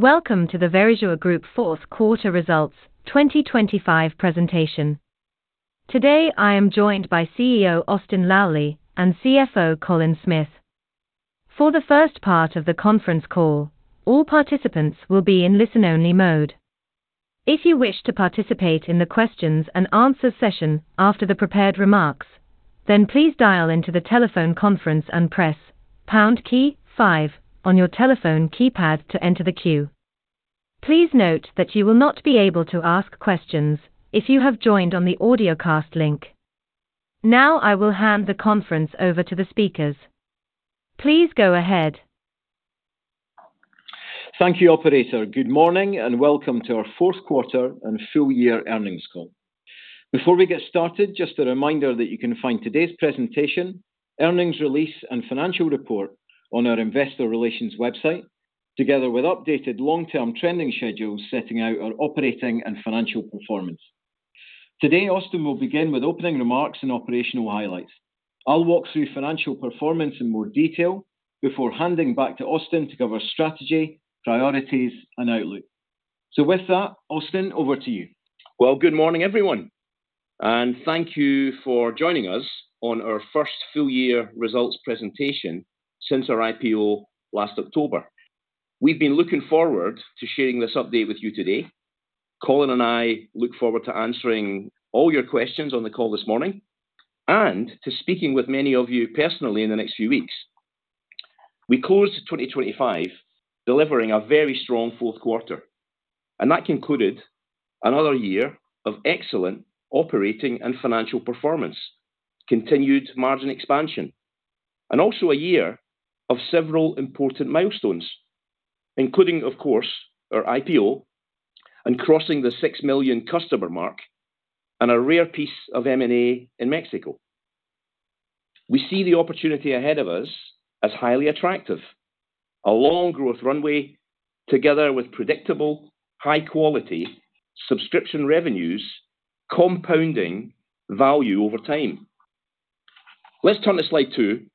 Welcome to the Verisure Group Fourth Quarter Results 2025 presentation. Today, I am joined by CEO Austin Lally and CFO Colin Smith. For the first part of the conference call, all participants will be in listen-only mode. If you wish to participate in the questions and answer session after the prepared remarks, then please dial into the telephone conference and press pound key five on your telephone keypad to enter the queue. Please note that you will not be able to ask questions if you have joined on the audiocast link. Now, I will hand the conference over to the speakers. Please go ahead. Thank you, operator. Good morning, and welcome to our fourth quarter and full year earnings call. Before we get started, just a reminder that you can find today's presentation, earnings release, and financial report on our investor relations website, together with updated long-term trending schedules, setting out our operating and financial performance. Today, Austin will begin with opening remarks and operational highlights. I'll walk through financial performance in more detail before handing back to Austin to cover strategy, priorities, and outlook. With that, Austin, over to you. Well, good morning, everyone, and thank you for joining us on our first full year results presentation since our IPO last October. We've been looking forward to sharing this update with you today. Colin and I look forward to answering all your questions on the call this morning, and to speaking with many of you personally in the next few weeks. We closed 2025, delivering a very strong fourth quarter, and that concluded another year of excellent operating and financial performance, continued margin expansion, and also a year of several important milestones, including, of course, our IPO and crossing the 6 million customer mark, and a rare piece of M&A in Mexico. We see the opportunity ahead of us as highly attractive. A long growth runway, together with predictable, high-quality subscription revenues, compounding value over time. Let's turn to slide two,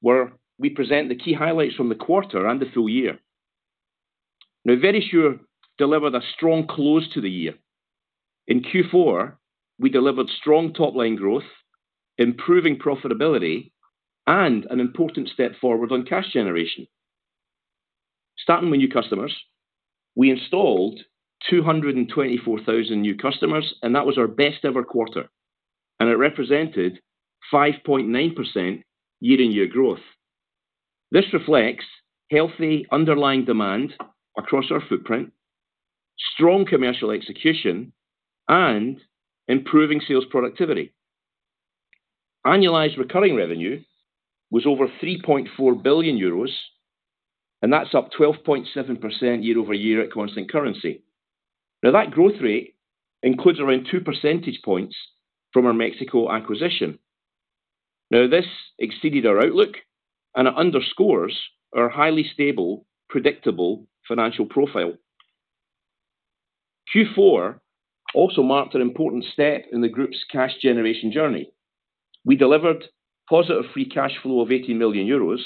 where we present the key highlights from the quarter and the full year. Now, Verisure delivered a strong close to the year. In Q4, we delivered strong top-line growth, improving profitability, and an important step forward on cash generation. Starting with new customers, we installed 224,000 new customers, and that was our best-ever quarter, and it represented 5.9% year-on-year growth. This reflects healthy underlying demand across our footprint, strong commercial execution, and improving sales productivity. Annualized recurring revenue was over 3.4 billion euros, and that's up 12.7% year-over-year at constant currency. Now, that growth rate includes around 2 percentage points from our Mexico acquisition. Now, this exceeded our outlook, and it underscores our highly stable, predictable financial profile. Q4 also marked an important step in the group's cash generation journey. We delivered positive free cash flow of 80 million euros,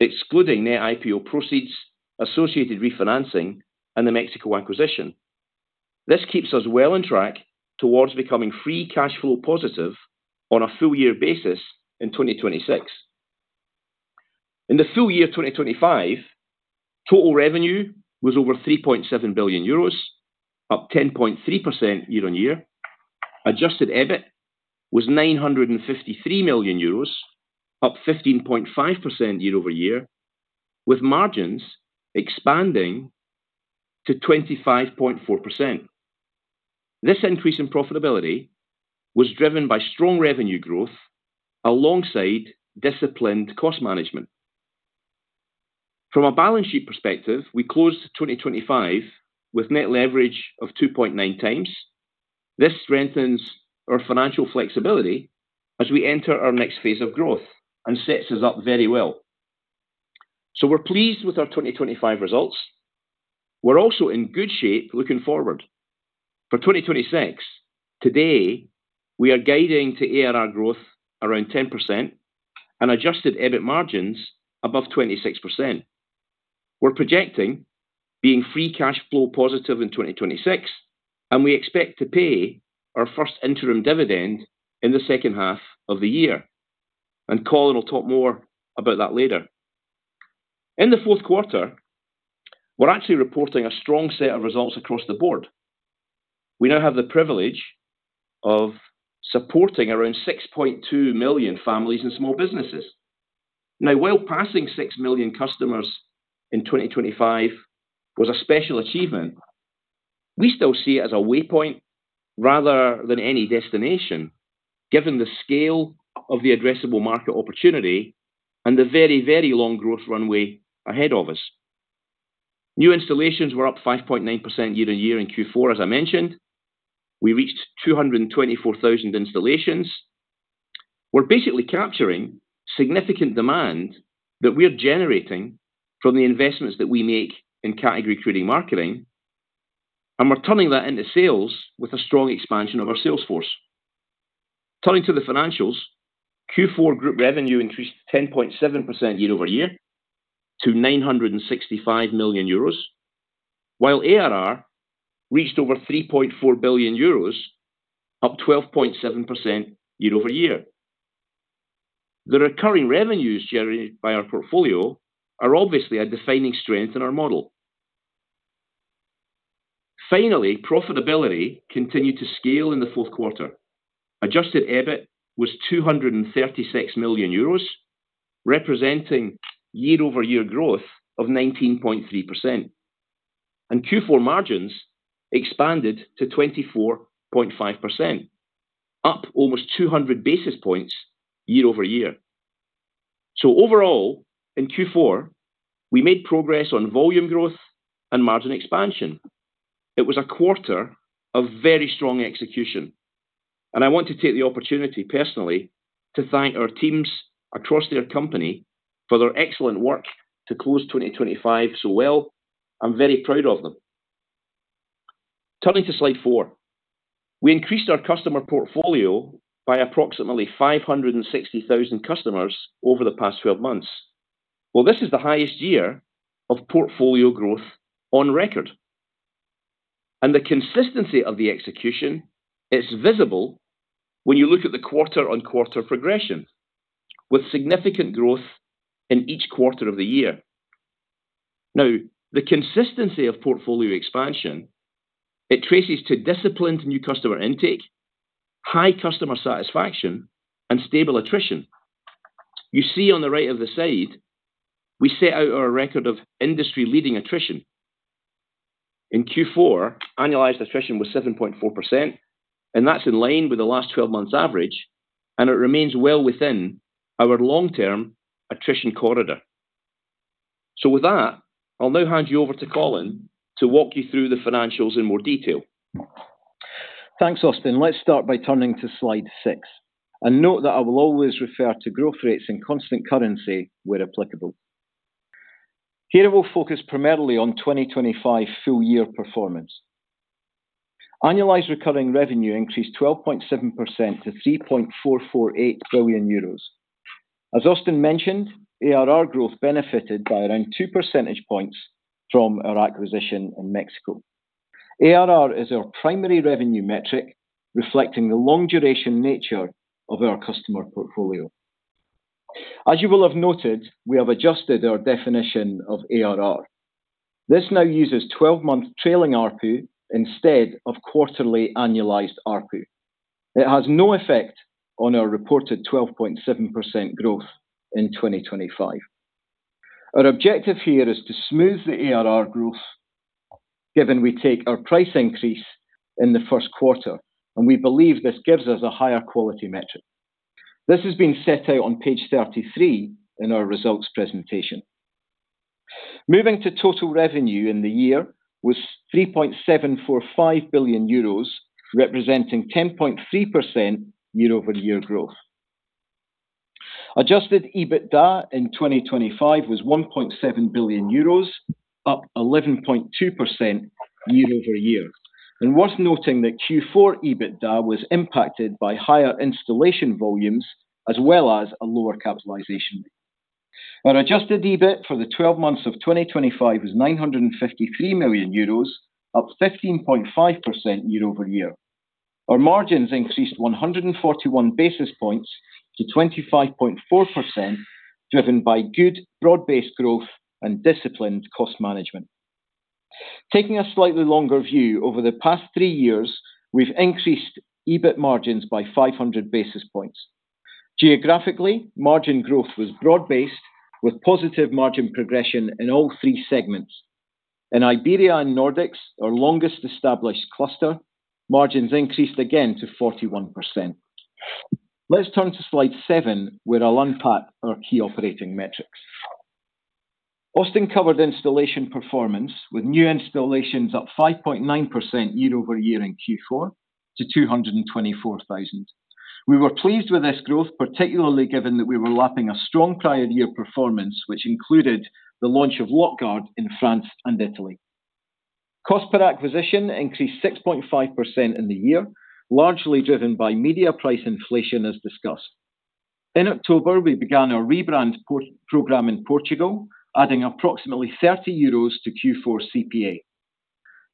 excluding net IPO proceeds, associated refinancing, and the Mexico acquisition. This keeps us well on track towards becoming free cash flow positive on a full year basis in 2026. In the full year 2025, total revenue was over 3.7 billion euros, up 10.3% year-over-year. Adjusted EBIT was 953 million euros, up 15.5% year-over-year, with margins expanding to 25.4%. This increase in profitability was driven by strong revenue growth alongside disciplined cost management. From a balance sheet perspective, we closed 2025 with net leverage of 2.9x. This strengthens our financial flexibility as we enter our next phase of growth and sets us up very well. So we're pleased with our 2025 results. We're also in good shape looking forward. For 2026, today, we are guiding to ARR growth around 10% and adjusted EBIT margins above 26%. We're projecting being free cash flow positive in 2026, and we expect to pay our first interim dividend in the second half of the year, and Colin will talk more about that later. In the fourth quarter, we're actually reporting a strong set of results across the board. We now have the privilege of supporting around 6.2 million families and small businesses. Now, while passing 6 million customers in 2025 was a special achievement, we still see it as a waypoint rather than any destination, given the scale of the addressable market opportunity and the very, very long growth runway ahead of us. New installations were up 5.9% year-over-year in Q4, as I mentioned. We reached 224,000 installations. We're basically capturing significant demand that we are generating from the investments that we make in category-creating marketing, and we're turning that into sales with a strong expansion of our sales force. Turning to the financials, Q4 group revenue increased 10.7% year-over-year to 965 million euros, while ARR reached over 3.4 billion euros, up 12.7% year-over-year. The recurring revenues generated by our portfolio are obviously a defining strength in our model. Finally, profitability continued to scale in the fourth quarter. Adjusted EBIT was 236 million euros, representing year-over-year growth of 19.3%, and Q4 margins expanded to 24.5%, up almost 200 basis points year-over-year. So overall, in Q4, we made progress on volume growth and margin expansion. It was a quarter of very strong execution, and I want to take the opportunity personally to thank our teams across their company for their excellent work to close 2025 so well. I'm very proud of them. Turning to slide four, we increased our customer portfolio by approximately 560,000 customers over the past 12 months. Well, this is the highest year of portfolio growth on record, and the consistency of the execution is visible when you look at the quarter-on-quarter progression, with significant growth in each quarter of the year. Now, the consistency of portfolio expansion, it traces to disciplined new customer intake, high customer satisfaction, and stable attrition. You see on the right of the slide, we set out our record of industry-leading attrition. In Q4, annualized attrition was 7.4%, and that's in line with the last 12 months average, and it remains well within our long-term attrition corridor. So with that, I'll now hand you over to Colin to walk you through the financials in more detail. Thanks, Austin. Let's start by turning to slide six, and note that I will always refer to growth rates in constant currency where applicable. Here, we'll focus primarily on 2025 full year performance. Annualized recurring revenue increased 12.7% to 3.448 billion euros. As Austin mentioned, ARR growth benefited by around two percentage points from our acquisition in Mexico. ARR is our primary revenue metric, reflecting the long-duration nature of our customer portfolio. As you will have noted, we have adjusted our definition of ARR. This now uses twelve-month trailing ARPU instead of quarterly annualized ARPU. It has no effect on our reported 12.7% growth in 2025. Our objective here is to smooth the ARR growth, given we take our price increase in the first quarter, and we believe this gives us a higher quality metric. This has been set out on page 33 in our results presentation. Moving to total revenue in the year was 3.745 billion euros, representing 10.3% year-over-year growth. Adjusted EBITDA in 2025 was 1.7 billion euros, up 11.2% year-over-year. Worth noting that Q4 EBITDA was impacted by higher installation volumes as well as a lower capitalization. Our adjusted EBIT for the twelve months of 2025 was 953 million euros, up 15.5% year-over-year. Our margins increased 141 basis points to 25.4%, driven by good broad-based growth and disciplined cost management. Taking a slightly longer view, over the past three years, we've increased EBIT margins by 500 basis points. Geographically, margin growth was broad-based, with positive margin progression in all three segments. In Iberia and Nordics, our longest-established cluster, margins increased again to 41%. Let's turn to slide seven, where I'll unpack our key operating metrics. Austin covered installation performance, with new installations up 5.9% year-over-year in Q4 to 224,000. We were pleased with this growth, particularly given that we were lapping a strong prior year performance, which included the launch of LockGuard in France and Italy. Cost per acquisition increased 6.5% in the year, largely driven by media price inflation, as discussed. In October, we began our rebrand program in Portugal, adding approximately 30 euros to Q4 CPA.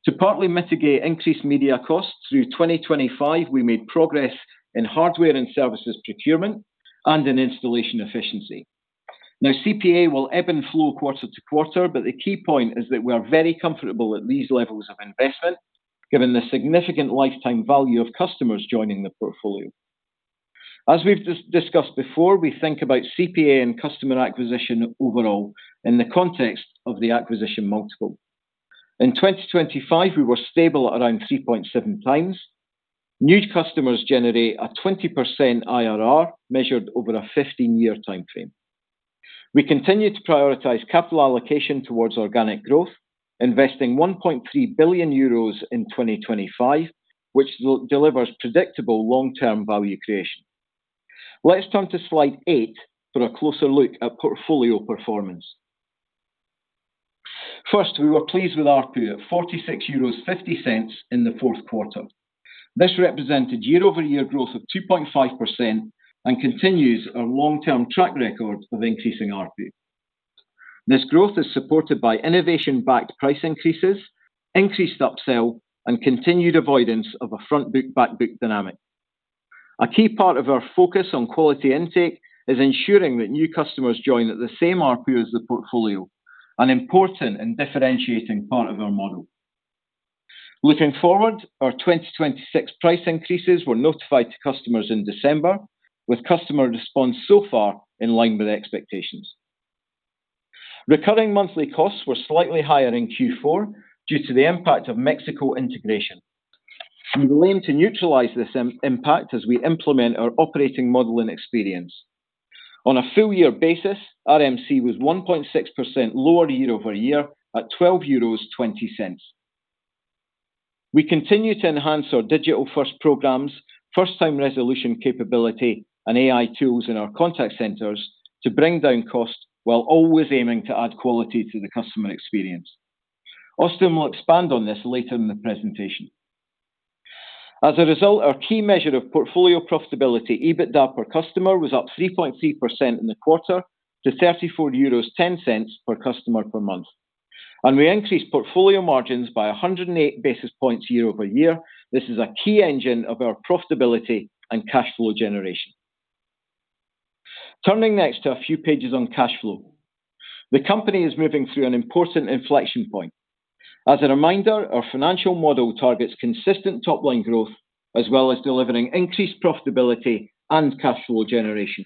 To partly mitigate increased media costs through 2025, we made progress in hardware and services procurement and in installation efficiency. Now, CPA will ebb and flow quarter to quarter, but the key point is that we are very comfortable at these levels of investment, given the significant lifetime value of customers joining the portfolio. As we've discussed before, we think about CPA and customer acquisition overall in the context of the acquisition multiple. In 2025, we were stable at around 3.7x. New customers generate a 20% IRR, measured over a 15-year timeframe. We continue to prioritize capital allocation towards organic growth, investing 1.3 billion euros in 2025, which delivers predictable long-term value creation. Let's turn to slide eight for a closer look at portfolio performance. First, we were pleased with ARPU at EUR 46.50 in the fourth quarter. This represented year-over-year growth of 2.5%, and continues our long-term track record of increasing ARPU. This growth is supported by innovation-backed price increases, increased upsell, and continued avoidance of a front book-back book dynamic. A key part of our focus on quality intake is ensuring that new customers join at the same ARPU as the portfolio, an important and differentiating part of our model. Looking forward, our 2026 price increases were notified to customers in December, with customer response so far in line with expectations. Recurring monthly costs were slightly higher in Q4 due to the impact of Mexico integration. We will aim to neutralize this impact as we implement our operating model and experience. On a full year basis, RMC was 1.6% lower year-over-year, at 12.20 euros. We continue to enhance our digital-first programs, first-time resolution capability, and AI tools in our contact centers to bring down costs, while always aiming to add quality to the customer experience. Austin will expand on this later in the presentation. As a result, our key measure of portfolio profitability, EBITDA per customer, was up 3.3% in the quarter to 34.10 euros per customer per month, and we increased portfolio margins by 108 basis points year-over-year. This is a key engine of our profitability and cash flow generation. Turning next to a few pages on cash flow. The company is moving through an important inflection point. As a reminder, our financial model targets consistent top-line growth, as well as delivering increased profitability and cash flow generation.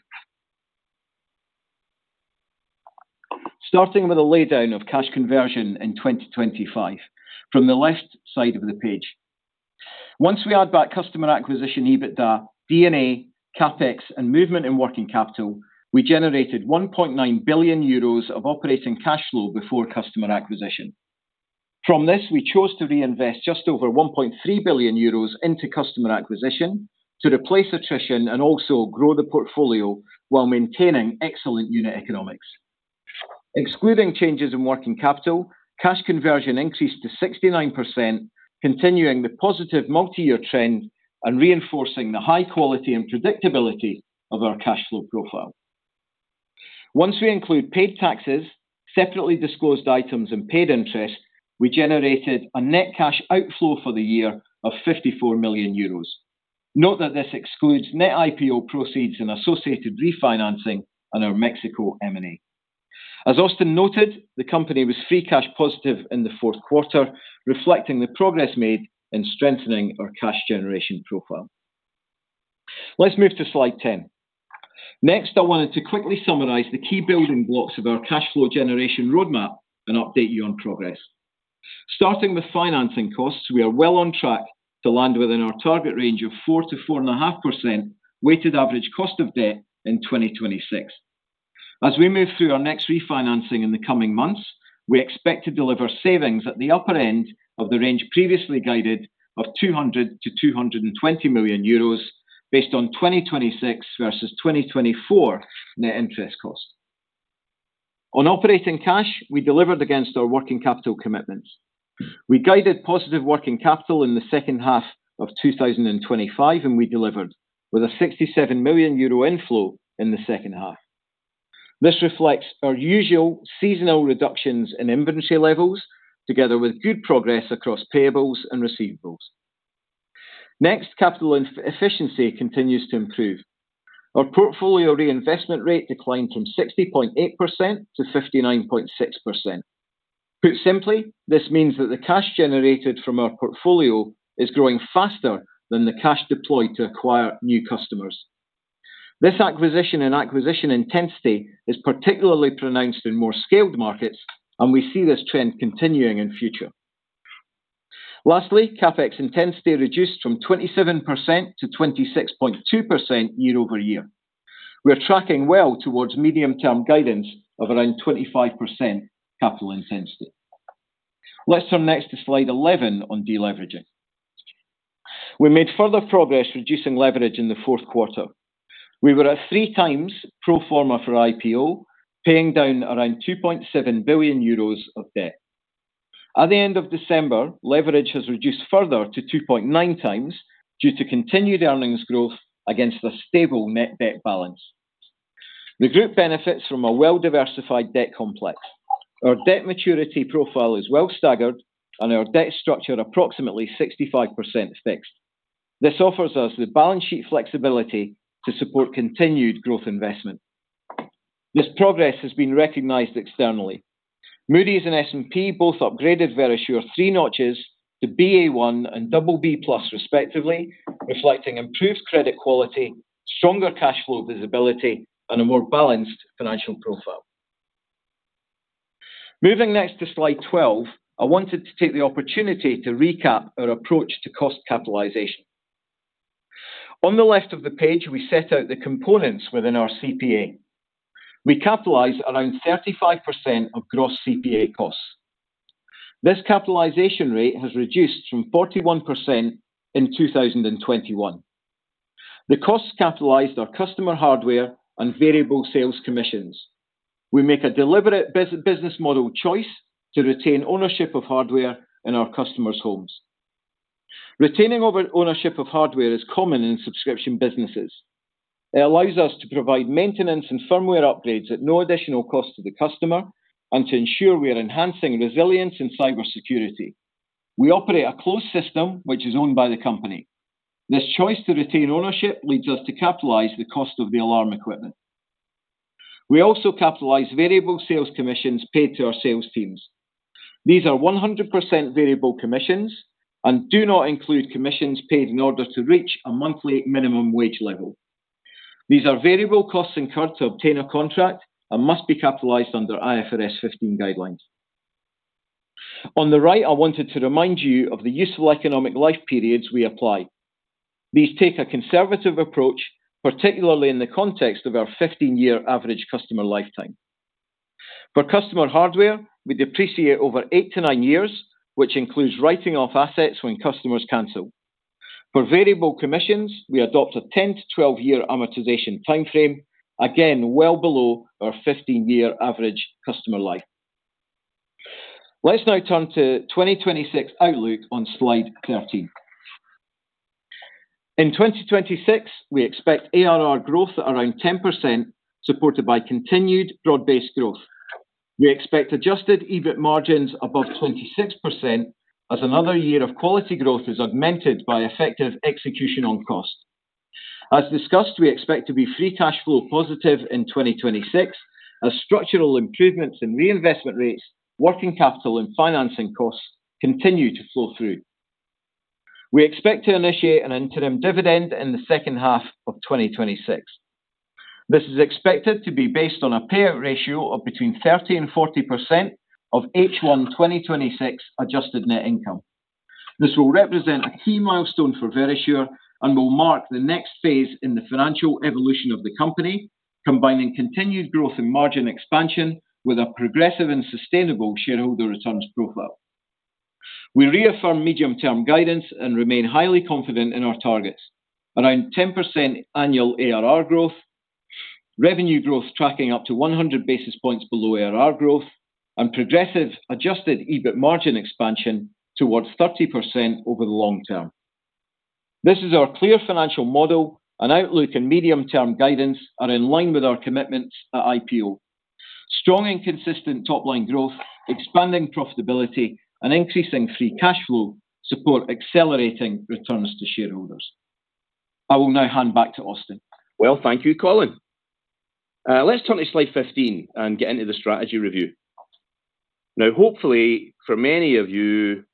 Starting with a laydown of cash conversion in 2025, from the left side of the page. Once we add back customer acquisition, EBITDA, D&A, CapEx, and movement in working capital, we generated 1.9 billion euros of operating cash flow before customer acquisition. From this, we chose to reinvest just over 1.3 billion euros into customer acquisition to replace attrition and also grow the portfolio while maintaining excellent unit economics. Excluding changes in working capital, cash conversion increased to 69%, continuing the positive multi-year trend and reinforcing the high quality and predictability of our cash flow profile. Once we include paid taxes, separately disclosed items, and paid interest, we generated a net cash outflow for the year of 54 million euros. Note that this excludes net IPO proceeds and associated refinancing on our Mexico M&A. As Austin noted, the company was free cash positive in the fourth quarter, reflecting the progress made in strengthening our cash generation profile. Let's move to slide 10. Next, I wanted to quickly summarize the key building blocks of our cash flow generation roadmap and update you on progress. Starting with financing costs, we are well on track to land within our target range of 4%-4.5% weighted average cost of debt in 2026. As we move through our next refinancing in the coming months, we expect to deliver savings at the upper end of the range, previously guided of 200 million-220 million euros, based on 2026 versus 2024 net interest costs. On operating cash, we delivered against our working capital commitments. We guided positive working capital in the second half of 2025, and we delivered with a 67 million euro inflow in the second half. This reflects our usual seasonal reductions in inventory levels, together with good progress across payables and receivables. Next, capital inefficiency continues to improve. Our portfolio reinvestment rate declined from 60.8% to 59.6%. Put simply, this means that the cash generated from our portfolio is growing faster than the cash deployed to acquire new customers. This acquisition and acquisition intensity is particularly pronounced in more scaled markets, and we see this trend continuing in future. Lastly, CapEx intensity reduced from 27% to 26.2% year-over-year. We are tracking well towards medium-term guidance of around 25% capital intensity. Let's turn next to slide 11 on deleveraging. We made further progress reducing leverage in the fourth quarter. We were at 3 times pro forma for IPO, paying down around 2.7 billion euros of debt. At the end of December, leverage has reduced further to 2.9 times due to continued earnings growth against a stable net debt balance. The group benefits from a well-diversified debt complex. Our debt maturity profile is well staggered, and our debt structure approximately 65% fixed. This offers us the balance sheet flexibility to support continued growth investment. This progress has been recognized externally. Moody's and S&P both upgraded Verisure 3 notches to Ba1 and BB+, respectively, reflecting improved credit quality, stronger cash flow visibility, and a more balanced financial profile. Moving next to slide 12, I wanted to take the opportunity to recap our approach to cost capitalization. On the left of the page, we set out the components within our CPA. We capitalize around 35% of gross CPA costs. This capitalization rate has reduced from 41% in 2021. The costs capitalized are customer hardware and variable sales commissions. We make a deliberate business model choice to retain ownership of hardware in our customers' homes. Retaining ownership of hardware is common in subscription businesses. It allows us to provide maintenance and firmware upgrades at no additional cost to the customer and to ensure we are enhancing resilience and cybersecurity. We operate a closed system which is owned by the company. This choice to retain ownership leads us to capitalize the cost of the alarm equipment. We also capitalize variable sales commissions paid to our sales teams. These are 100% variable commissions and do not include commissions paid in order to reach a monthly minimum wage level. These are variable costs incurred to obtain a contract and must be capitalized under IFRS 15 guidelines. On the right, I wanted to remind you of the useful economic life periods we apply. These take a conservative approach, particularly in the context of our 15-year average customer lifetime. For customer hardware, we depreciate over 8-9 years, which includes writing off assets when customers cancel. For variable commissions, we adopt a 10-12-year amortization time frame, again, well below our 15-year average customer life. Let's now turn to 2026 outlook on slide 13. In 2026, we expect ARR growth at around 10%, supported by continued broad-based growth. We expect adjusted EBIT margins above 26% as another year of quality growth is augmented by effective execution on cost. As discussed, we expect to be free cash flow positive in 2026 as structural improvements in reinvestment rates, working capital, and financing costs continue to flow through. We expect to initiate an interim dividend in the second half of 2026. This is expected to be based on a payout ratio of between 30% and 40% of H1 2026 adjusted net income. This will represent a key milestone for Verisure and will mark the next phase in the financial evolution of the company, combining continued growth and margin expansion with a progressive and sustainable shareholder returns profile. We reaffirm medium-term guidance and remain highly confident in our targets. Around 10% annual ARR growth, revenue growth tracking up to 100 basis points below ARR growth, and progressive adjusted EBIT margin expansion towards 30% over the long term. This is our clear financial model, and outlook and medium-term guidance are in line with our commitments at IPO. Strong and consistent top-line growth, expanding profitability, and increasing free cash flow support accelerating returns to shareholders. I will now hand back to Austin. Well, thank you, Colin. Let's turn to slide 15 and get into the strategy review. Now, hopefully, for many of you,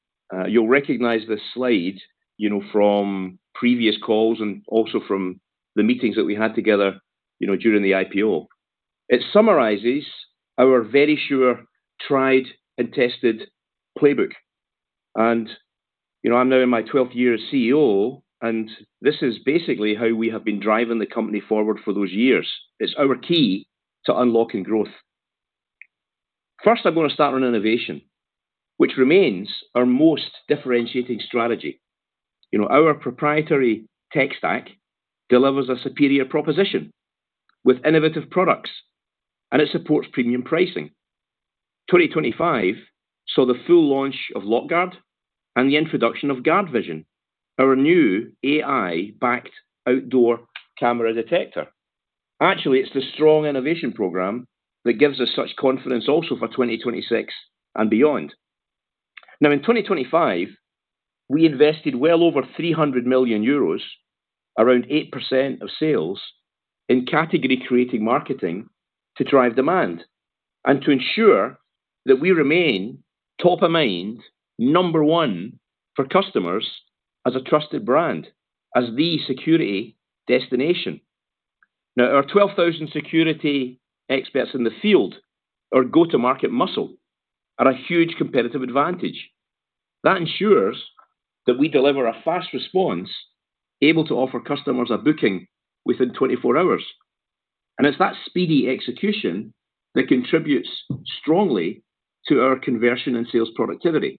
you'll recognize this slide, you know, from previous calls and also from the meetings that we had together, you know, during the IPO. It summarizes our Verisure tried and tested playbook. You know, I'm now in my 12th year as CEO, and this is basically how we have been driving the company forward for those years. It's our key to unlocking growth. First, I'm gonna start on innovation, which remains our most differentiating strategy. You know, our proprietary tech stack delivers a superior proposition with innovative products, and it supports premium pricing. 2025 saw the full launch of LockGuard and the introduction of GuardVision, our new AI-backed outdoor camera detector. Actually, it's the strong innovation program that gives us such confidence also for 2026 and beyond. Now, in 2025, we invested well over 300 million euros, around 8% of sales, in category-creating marketing to drive demand and to ensure that we remain top of mind, number one for customers as a trusted brand, as the security destination. Now, our 12,000 security experts in the field, our go-to-market muscle, are a huge competitive advantage. That ensures that we deliver a fast response, able to offer customers a booking within 24 hours, and it's that speedy execution that contributes strongly to our conversion and sales productivity.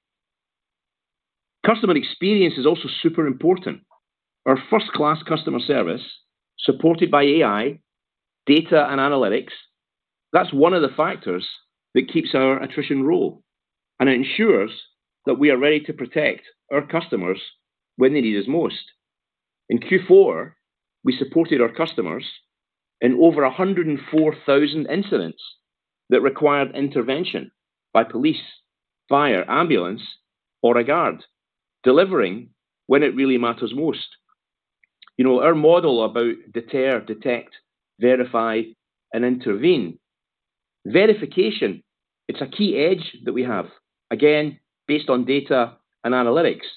Customer experience is also super important. Our first-class customer service, supported by AI, data, and analytics, that's one of the factors that keeps our attrition low and ensures that we are ready to protect our customers when they need us most. In Q4, we supported our customers in over 104,000 incidents that required intervention by police, fire, ambulance, or a guard, delivering when it really matters most. You know, our model about deter, detect, verify, and intervene. Verification, it's a key edge that we have, again, based on data and analytics,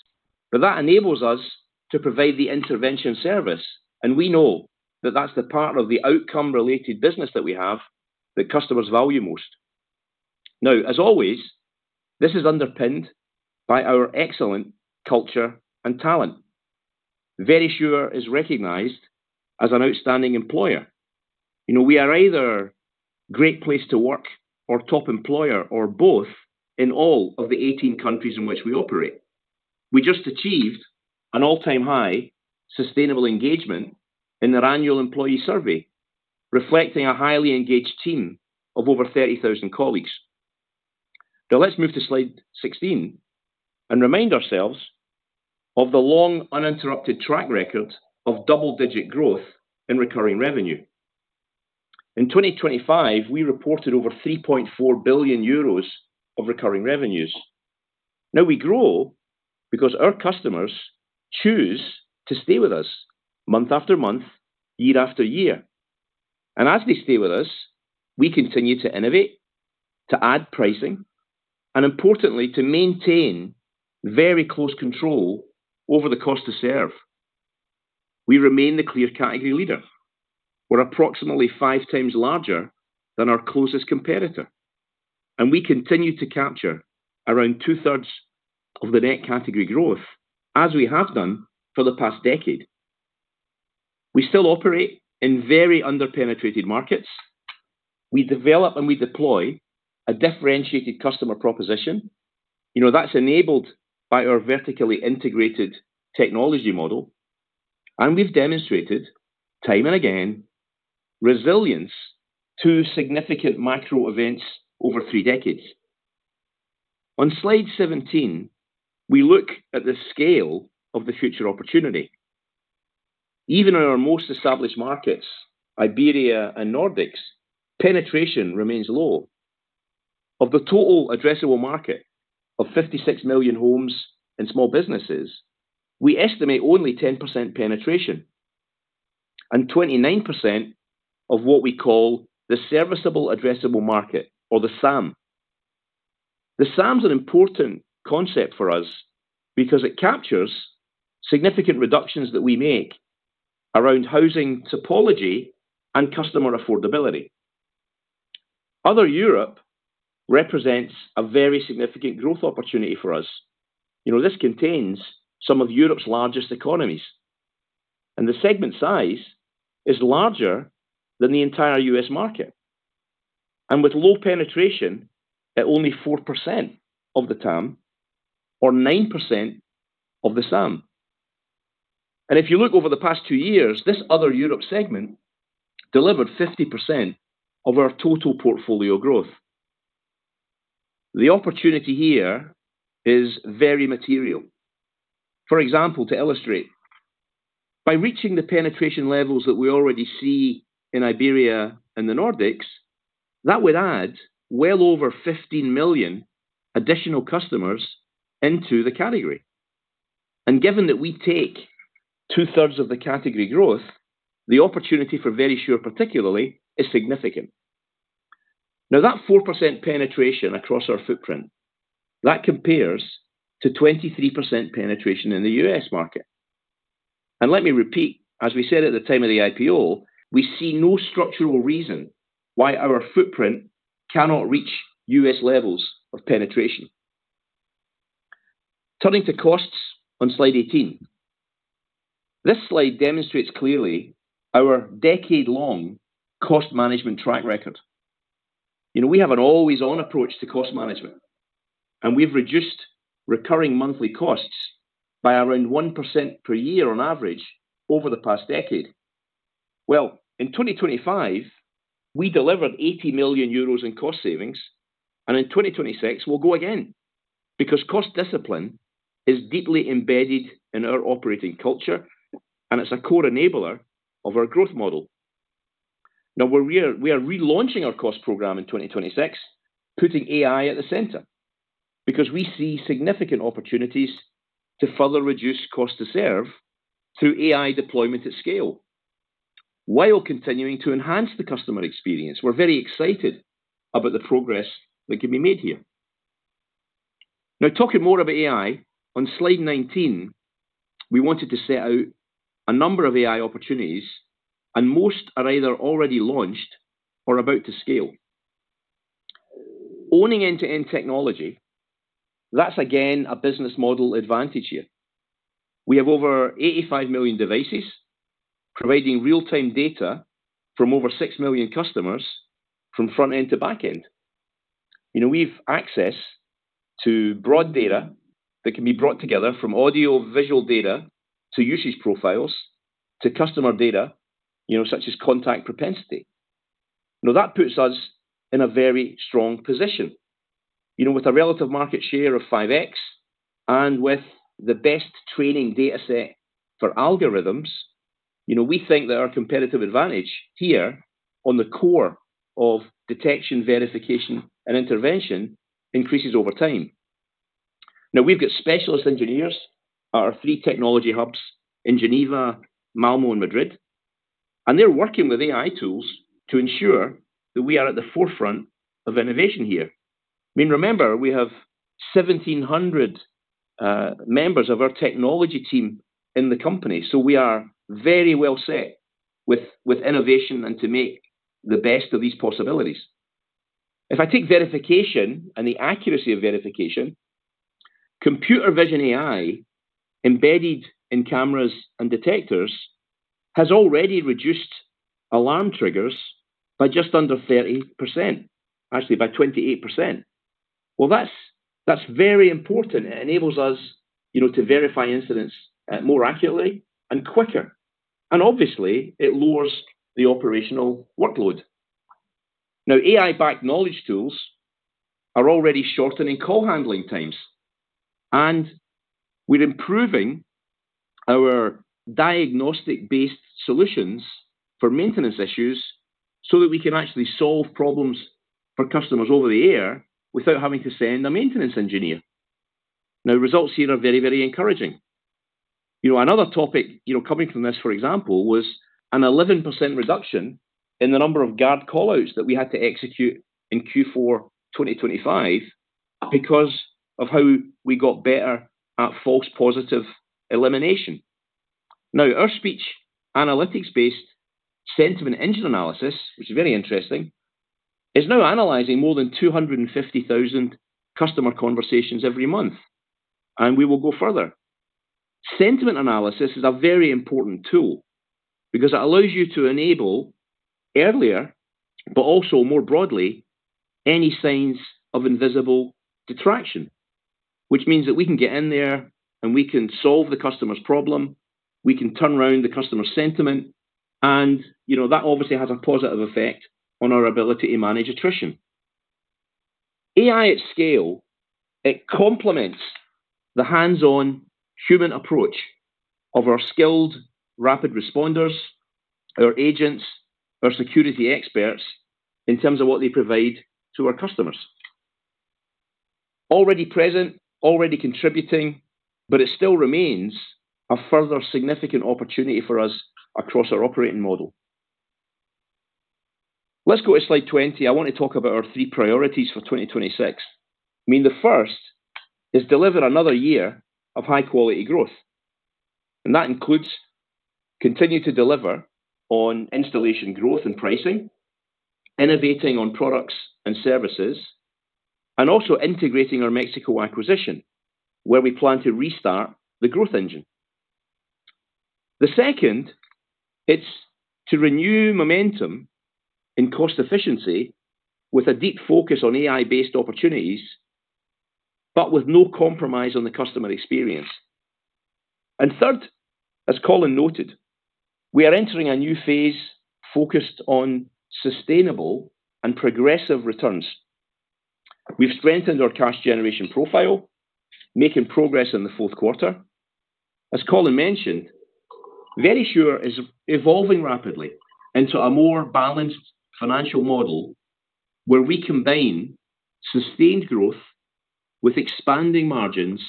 but that enables us to provide the intervention service, and we know that that's the part of the outcome-related business that we have that customers value most. Now, as always, this is underpinned by our excellent culture and talent. Verisure is recognized as an outstanding employer. You know, we are either Great Place to Work or Top Employer or both in all of the 18 countries in which we operate. We just achieved an all-time high sustainable engagement in our annual employee survey, reflecting a highly engaged team of over 30,000 colleagues. Now let's move to slide 16 and remind ourselves of the long, uninterrupted track record of double-digit growth in recurring revenue. In 2025, we reported over 3.4 billion euros of recurring revenues. Now we grow because our customers choose to stay with us month after month, year after year, and as they stay with us, we continue to innovate, to add pricing, and importantly, to maintain very close control over the cost to serve. We remain the clear category leader. We're approximately five times larger than our closest competitor, and we continue to capture around two-thirds of the net category growth, as we have done for the past decade. We still operate in very under-penetrated markets. We develop, and we deploy a differentiated customer proposition. You know, that's enabled by our vertically integrated technology model, and we've demonstrated, time and again, resilience to significant macro events over three decades. On slide 17, we look at the scale of the future opportunity. Even in our most established markets, Iberia and Nordics, penetration remains low. Of the total addressable market of 56 million homes and small businesses, we estimate only 10% penetration and 29% of what we call the serviceable addressable market or the SAM. The SAM is an important concept for us because it captures significant reductions that we make around housing typology and customer affordability. Other Europe represents a very significant growth opportunity for us. You know, this contains some of Europe's largest economies, and the segment size is larger than the entire U.S. market, and with low penetration at only 4% of the TAM or 9% of the SAM. If you look over the past 2 years, this Other Europe segment delivered 50% of our total portfolio growth. The opportunity here is very material. For example, to illustrate, by reaching the penetration levels that we already see in Iberia and the Nordics, that would add well over 15 million additional customers into the category. Given that we take 2/3 of the category growth, the opportunity for Verisure, particularly, is significant. Now, that 4% penetration across our footprint, that compares to 23% penetration in the U.S. market. Let me repeat, as we said at the time of the IPO, we see no structural reason why our footprint cannot reach U.S. levels of penetration. Turning to costs on slide 18. This slide demonstrates clearly our decade-long cost management track record. You know, we have an always-on approach to cost management, and we've reduced recurring monthly costs by around 1% per year on average over the past decade. Well, in 2025, we delivered 80 million euros in cost savings, and in 2026, we'll go again, because cost discipline is deeply embedded in our operating culture, and it's a core enabler of our growth model. Now, we are relaunching our cost program in 2026, putting AI at the center, because we see significant opportunities to further reduce cost to serve through AI deployment at scale, while continuing to enhance the customer experience. We're very excited about the progress that can be made here. Now, talking more about AI, on slide 19, we wanted to set out a number of AI opportunities, and most are either already launched or about to scale. Owning end-to-end technology, that's again, a business model advantage here. We have over 85 million devices providing real-time data from over 6 million customers from front end to back end. You know, we've access to broad data that can be brought together from audio visual data to usage profiles, to customer data, you know, such as contact propensity. Now, that puts us in a very strong position. You know, with a relative market share of 5x and with the best training data set for algorithms, you know, we think that our competitive advantage here on the core of detection, verification, and intervention increases over time. Now, we've got specialist engineers, our three technology hubs in Geneva, Malmö, and Madrid, and they're working with AI tools to ensure that we are at the forefront of innovation here. I mean, remember, we have 1,700 members of our technology team in the company, so we are very well set with innovation and to make the best of these possibilities. If I take verification and the accuracy of verification, computer vision AI, embedded in cameras and detectors, has already reduced alarm triggers by just under 30%. Actually, by 28%. Well, that's very important. It enables us, you know, to verify incidents more accurately and quicker, and obviously it lowers the operational workload. Now, AI-backed knowledge tools are already shortening call handling times, and we're improving our diagnostic-based solutions for maintenance issues so that we can actually solve problems for customers over the air without having to send a maintenance engineer. Now, results here are very, very encouraging. You know, another topic, you know, coming from this, for example, was an 11% reduction in the number of guard call-outs that we had to execute in Q4 2025, because of how we got better at false positive elimination. Now, our speech analytics-based sentiment engine analysis, which is very interesting, is now analyzing more than 250,000 customer conversations every month, and we will go further. Sentiment analysis is a very important tool because it allows you to enable earlier, but also more broadly, any signs of invisible defection, which means that we can get in there, and we can solve the customer's problem, we can turn around the customer sentiment, and, you know, that obviously has a positive effect on our ability to manage attrition. AI at scale, it complements the hands-on human approach of our skilled rapid responders, our agents, our security experts, in terms of what they provide to our customers. Already present, already contributing, but it still remains a further significant opportunity for us across our operating model. Let's go to slide 20. I want to talk about our three priorities for 2026. I mean, the first is deliver another year of high-quality growth, and that includes continue to deliver on installation growth and pricing, innovating on products and services, and also integrating our Mexico acquisition, where we plan to restart the growth engine. The second, it's to renew momentum in cost efficiency with a deep focus on AI-based opportunities, but with no compromise on the customer experience. And third, as Colin noted, we are entering a new phase focused on sustainable and progressive returns. We've strengthened our cash generation profile, making progress in the fourth quarter. As Colin mentioned, Verisure is evolving rapidly into a more balanced financial model, where we combine sustained growth with expanding margins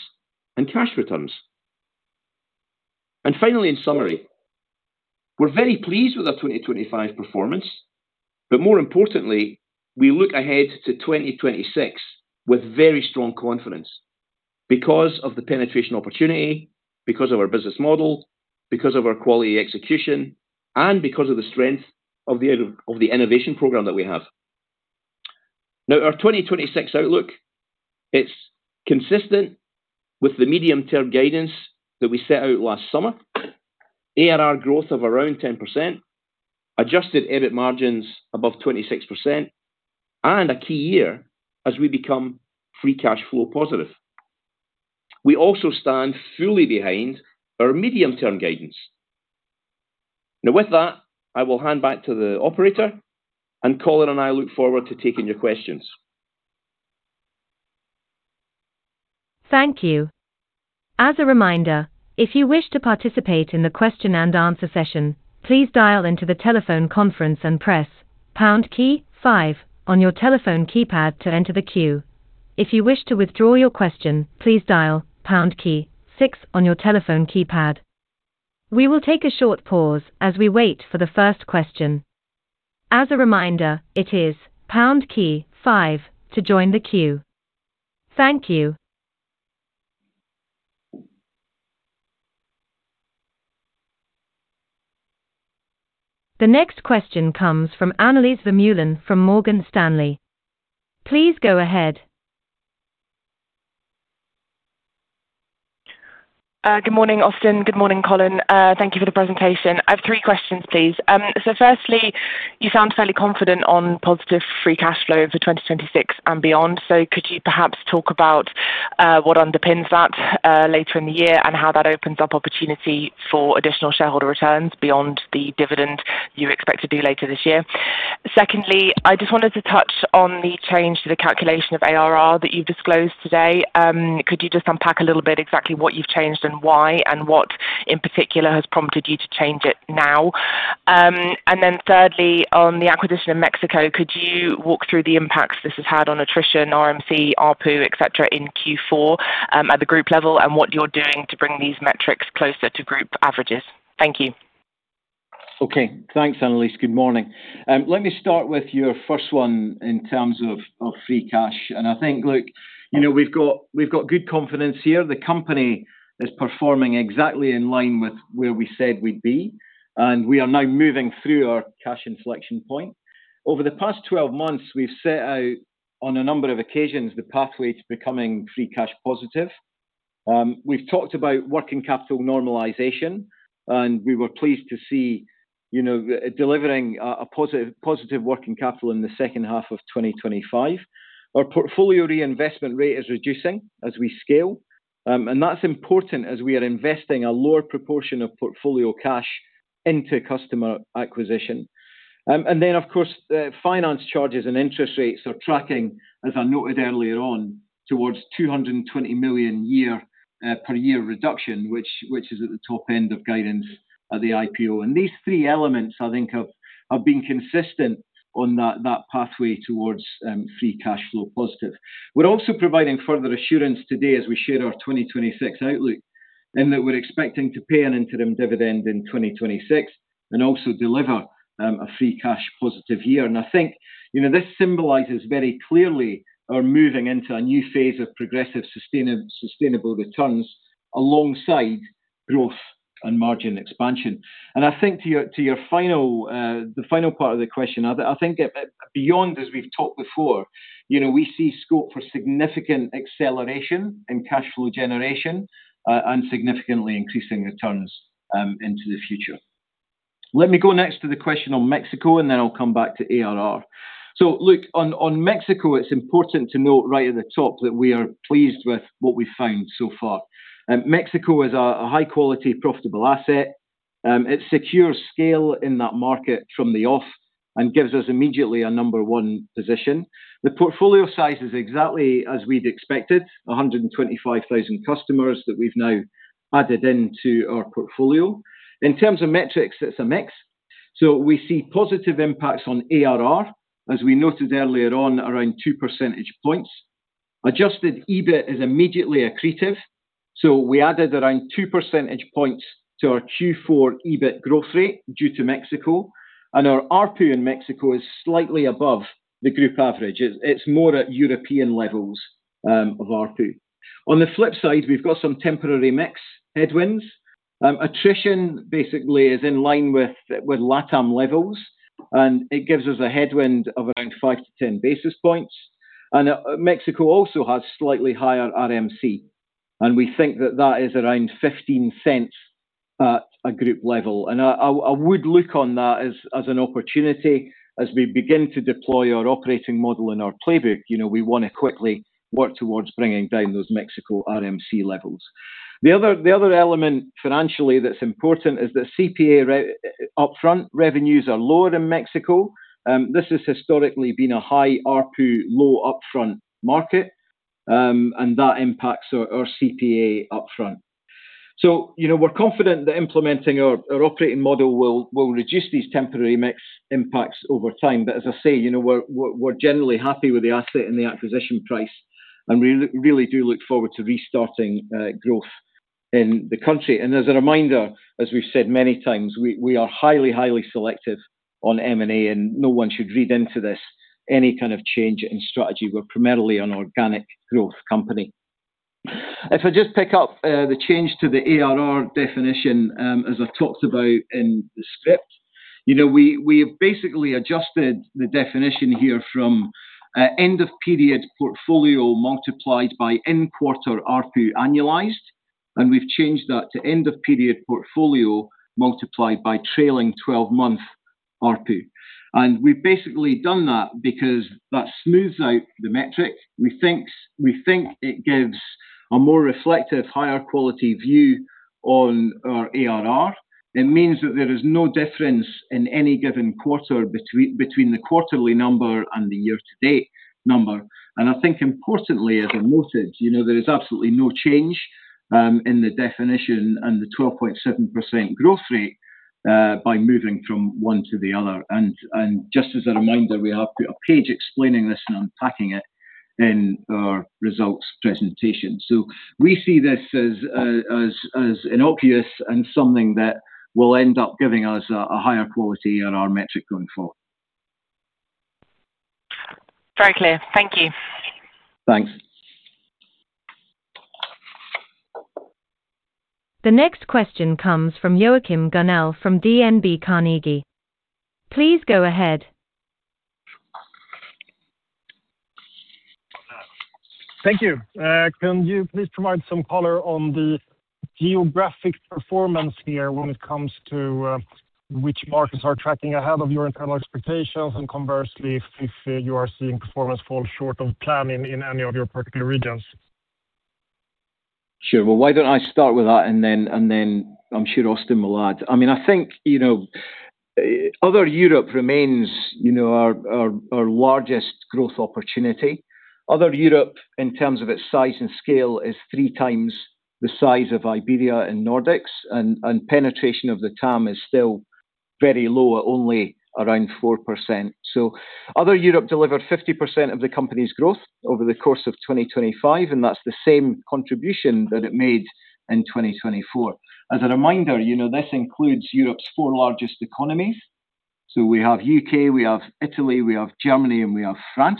and cash returns. And finally, in summary, we're very pleased with our 2025 performance, but more importantly, we look ahead to 2026 with very strong confidence because of the penetration opportunity, because of our business model, because of our quality execution, and because of the strength of the innovation program that we have. Now, our 2026 outlook, it's consistent with the medium-term guidance that we set out last summer. ARR growth of around 10%, adjusted EBIT margins above 26%, and a key year as we become free cash flow positive. We also stand fully behind our medium-term guidance. Now, with that, I will hand back to the operator, and Colin and I look forward to taking your questions. Thank you. As a reminder, if you wish to participate in the question-and-answer session, please dial into the telephone conference and press pound key five on your telephone keypad to enter the queue. If you wish to withdraw your question, please dial pound key six on your telephone keypad. We will take a short pause as we wait for the first question. As a reminder, it is pound key five to join the queue. Thank you. The next question comes from Annelies Vermeulen from Morgan Stanley. Please go ahead. Good morning, Austin. Good morning, Colin. Thank you for the presentation. I have three questions, please. First, you sound fairly confident on positive free cash flow for 2026 and beyond. Could you perhaps talk about what underpins that later in the year, and how that opens up opportunity for additional shareholder returns beyond the dividend you expect to do later this year? Second, I just wanted to touch on the change to the calculation of ARR that you've disclosed today. Could you just unpack a little bit exactly what you've changed and why, and what in particular has prompted you to change it now? And then thirdly, on the acquisition in Mexico, could you walk through the impacts this has had on attrition, RMC, ARPU, et cetera, in Q4, at the group level, and what you're doing to bring these metrics closer to group averages? Thank you. Okay. Thanks, Annelies. Good morning. Let me start with your first one in terms of free cash. And I think, look, you know, we've got, we've got good confidence here. The company is performing exactly in line with where we said we'd be, and we are now moving through our cash inflection point. Over the past 12 months, we've set out, on a number of occasions, the pathway to becoming free cash positive. We've talked about working capital normalization, and we were pleased to see, you know, delivering a positive working capital in the second half of 2025. Our portfolio reinvestment rate is reducing as we scale, and that's important as we are investing a lower proportion of portfolio cash into customer acquisition. And then, of course, the finance charges and interest rates are tracking, as I noted earlier on, towards 220 million per year reduction, which is at the top end of guidance at the IPO. And these three elements, I think, have been consistent on that pathway towards free cash flow positive. We're also providing further assurance today as we share our 2026 outlook, in that we're expecting to pay an interim dividend in 2026 and also deliver a free cash positive year. I think, you know, this symbolizes very clearly our moving into a new phase of progressive sustainable returns alongside growth and margin expansion. I think to your, to your final, the final part of the question, I think it, beyond, as we've talked before, you know, we see scope for significant acceleration in cash flow generation and significantly increasing returns into the future. Let me go next to the question on Mexico, and then I'll come back to ARR. So look, on, on Mexico, it's important to note right at the top that we are pleased with what we've found so far. Mexico is a high-quality, profitable asset. It secures scale in that market from the off and gives us immediately a number one position. The portfolio size is exactly as we'd expected, 125,000 customers that we've now added into our portfolio. In terms of metrics, it's a mix. So we see positive impacts on ARR, as we noted earlier on, around 2 percentage points. Adjusted EBIT is immediately accretive, so we added around 2 percentage points to our Q4 EBIT growth rate due to Mexico, and our ARPU in Mexico is slightly above the group average. It's more at European levels of ARPU. On the flip side, we've got some temporary mix headwinds. Attrition basically is in line with LATAM levels, and it gives us a headwind of around 5-10 basis points. Mexico also has slightly higher RMC, and we think that that is around 0.15 at a group level. I would look on that as an opportunity. As we begin to deploy our operating model and our playbook, you know, we wanna quickly work towards bringing down those Mexico RMC levels. The other element financially that's important is that CPA upfront revenues are lower in Mexico. This has historically been a high ARPU, low upfront market, and that impacts our CPA upfront. So, you know, we're confident that implementing our operating model will reduce these temporary mix impacts over time. But as I say, you know, we're generally happy with the asset and the acquisition price, and we really do look forward to restarting growth in the country. As a reminder, as we've said many times, we, we are highly, highly selective on M&A, and no one should read into this any kind of change in strategy. We're primarily an organic growth company. If I just pick up the change to the ARR definition, as I've talked about in the script, you know, we, we have basically adjusted the definition here from end-of-period portfolio multiplied by in-quarter ARPU annualized, and we've changed that to end-of-period portfolio multiplied by trailing twelve-month ARPU. We've basically done that because that smooths out the metric. We thinks, we think it gives a more reflective, higher quality view on our ARR. It means that there is no difference in any given quarter between, between the quarterly number and the year-to-date number. I think importantly, as I noted, you know, there is absolutely no change in the definition and the 12.7% growth rate by moving from one to the other. And just as a reminder, we have put a page explaining this and unpacking it in our results presentation. So we see this as innocuous and something that will end up giving us a higher quality on our metric going forward. Very clear. Thank you. Thanks. The next question comes from Joachim Gunell from DNB Markets. Please go ahead. Thank you. Can you please provide some color on the geographic performance here when it comes to which markets are tracking ahead of your internal expectations, and conversely, if you are seeing performance fall short of plan in any of your particular regions? Sure. Well, why don't I start with that, and then, and then I'm sure Austin will add. I mean, I think, you know, Other Europe remains, you know, our, our, our largest growth opportunity. Other Europe, in terms of its size and scale, is three times the size of Iberia and Nordics, and, and penetration of the TAM is still very low, at only around 4%. So Other Europe delivered 50% of the company's growth over the course of 2025, and that's the same contribution that it made in 2024. As a reminder, you know, this includes Europe's four largest economies. So we have U.K., we have Italy, we have Germany, and we have France.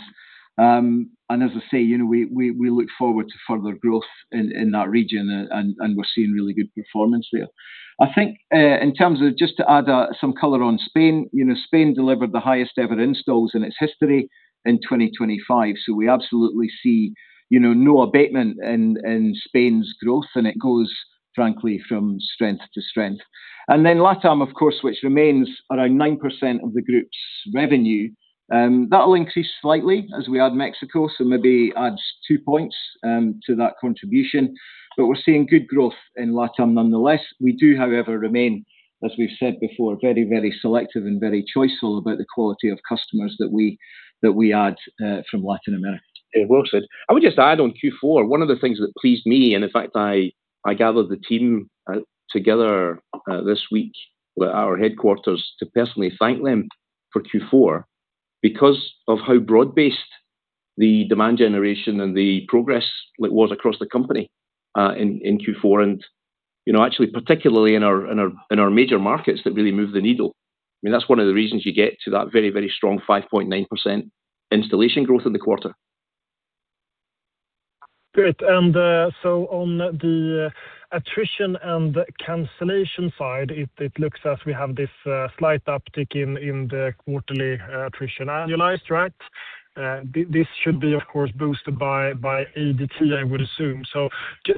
And as I say, you know, we look forward to further growth in that region, and we're seeing really good performance there. Just to add some color on Spain, you know, Spain delivered the highest ever installs in its history in 2025. So we absolutely see, you know, no abatement in Spain's growth, and it goes frankly from strength to strength. And then LATAM, of course, which remains around 9% of the group's revenue, that'll increase slightly as we add Mexico, so maybe adds two points to that contribution. But we're seeing good growth in LATAM nonetheless. We do, however, remain, as we've said before, very, very selective and very choiceful about the quality of customers that we add from Latin America. Yeah, well said. I would just add on Q4, one of the things that pleased me, and in fact, I gathered the team together this week, with our headquarters, to personally thank them for Q4 because of how broad-based the demand generation and the progress it was across the company, in Q4, and, you know, actually, particularly in our major markets that really moved the needle. I mean, that's one of the reasons you get to that very, very strong 5.9% installation growth in the quarter. Great. And, so on the attrition and cancellation side, it looks as if we have this, slight uptick in the quarterly, attrition analyzed, right? This should be, of course, boosted by ADT, I would assume. So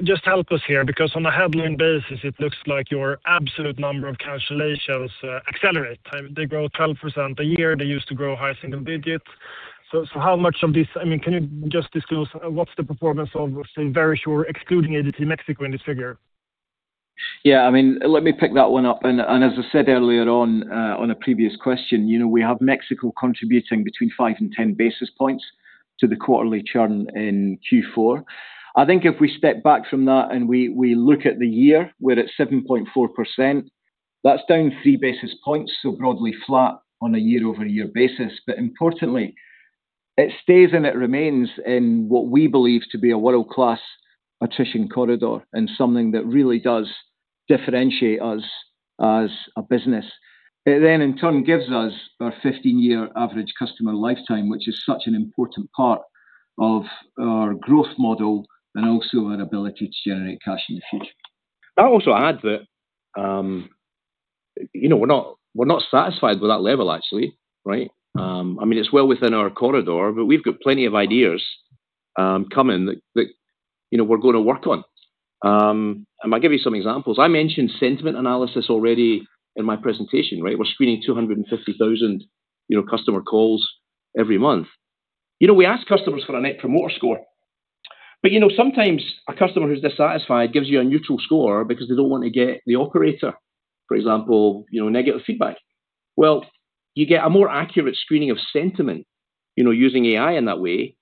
just help us here, because on a headline basis, it looks like your absolute number of cancellations, accelerate. They grow 12% a year. They used to grow higher single digits. So, how much of this I mean, can you just disclose, what's the performance of, say, Verisure excluding ADT Mexico in this figure? Yeah, I mean, let me pick that one up. As I said earlier on, on a previous question, you know, we have Mexico contributing between 5-10 basis points to the quarterly churn in Q4. I think if we step back from that and we look at the year, we're at 7.4%. That's down 3 basis points, so broadly flat on a year-over-year basis. But importantly, it stays and it remains in what we believe to be a world-class attrition corridor and something that really does differentiate us as a business. It then, in turn, gives us our 15-year average customer lifetime, which is such an important part of our growth model and also our ability to generate cash in the future. I'll also add that, you know, we're not, we're not satisfied with that level, actually, right? I mean, it's well within our corridor, but we've got plenty of ideas coming, you know, we're gonna work on. I might give you some examples. I mentioned sentiment analysis already in my presentation, right? We're screening 250,000, you know, customer calls every month. You know, we ask customers for a Net Promoter Score, but, you know, sometimes a customer who's dissatisfied gives you a neutral score because they don't want to get the operator, for example, you know, negative feedback. Well, you get a more accurate screening of sentiment, you know, using AI in that way,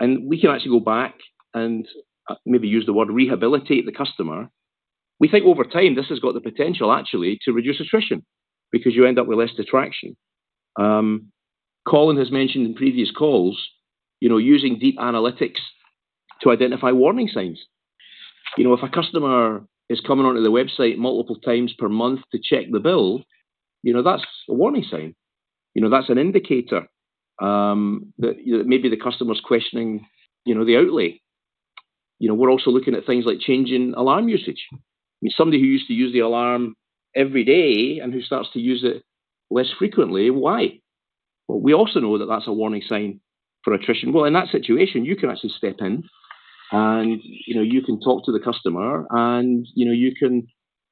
and we can actually go back and, maybe use the word rehabilitate the customer. We think over time, this has got the potential, actually, to reduce attrition because you end up with less distraction. Colin has mentioned in previous calls, you know, using deep analytics to identify warning signs. You know, if a customer is coming onto the website multiple times per month to check the bill, you know, that's a warning sign. You know, that's an indicator, that, you know, maybe the customer's questioning, you know, the outlay. You know, we're also looking at things like changing alarm usage. I mean, somebody who used to use the alarm every day and who starts to use it less frequently, why? Well, we also know that that's a warning sign for attrition. Well, in that situation, you can actually step in and, you know, you can talk to the customer, and, you know, you can,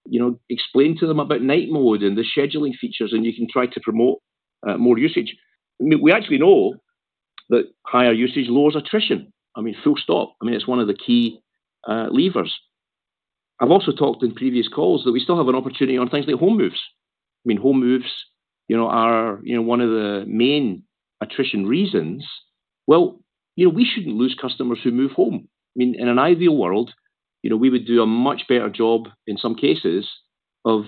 you know, explain to them about night mode and the scheduling features, and you can try to promote more usage. I mean, we actually know that higher usage lowers attrition. I mean, full stop. I mean, it's one of the key levers. I've also talked in previous calls that we still have an opportunity on things like home moves. I mean, home moves, you know, are, you know, one of the main attrition reasons. Well, you know, we shouldn't lose customers who move home. I mean, in an ideal world, you know, we would do a much better job in some cases of,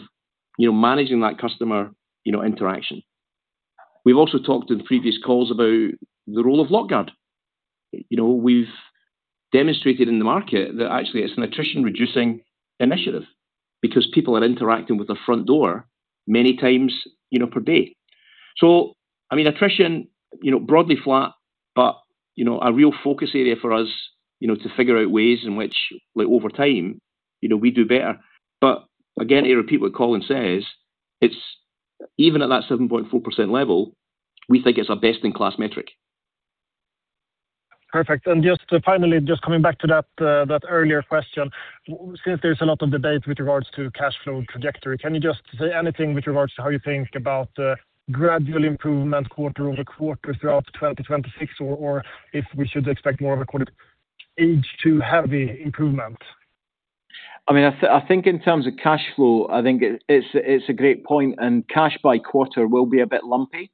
you know, managing that customer, you know, interaction. We've also talked in previous calls about the role of LockGuard. You know, we've demonstrated in the market that actually it's an attrition-reducing initiative because people are interacting with the front door many times, you know, per day. So, I mean, attrition, you know, broadly flat, but, you know, a real focus area for us, you know, to figure out ways in which, like over time, you know, we do better. But again, to repeat what Colin says, it's even at that 7.4% level, we think it's our best-in-class metric. Perfect. And just finally, just coming back to that, that earlier question, since there's a lot of debate with regards to cash flow trajectory, can you just say anything with regards to how you think about the gradual improvement quarter over quarter throughout 2026, or, or if we should expect more of a H2 heavy improvement? I mean, I think in terms of cash flow, I think it's a great point, and cash by quarter will be a bit lumpy,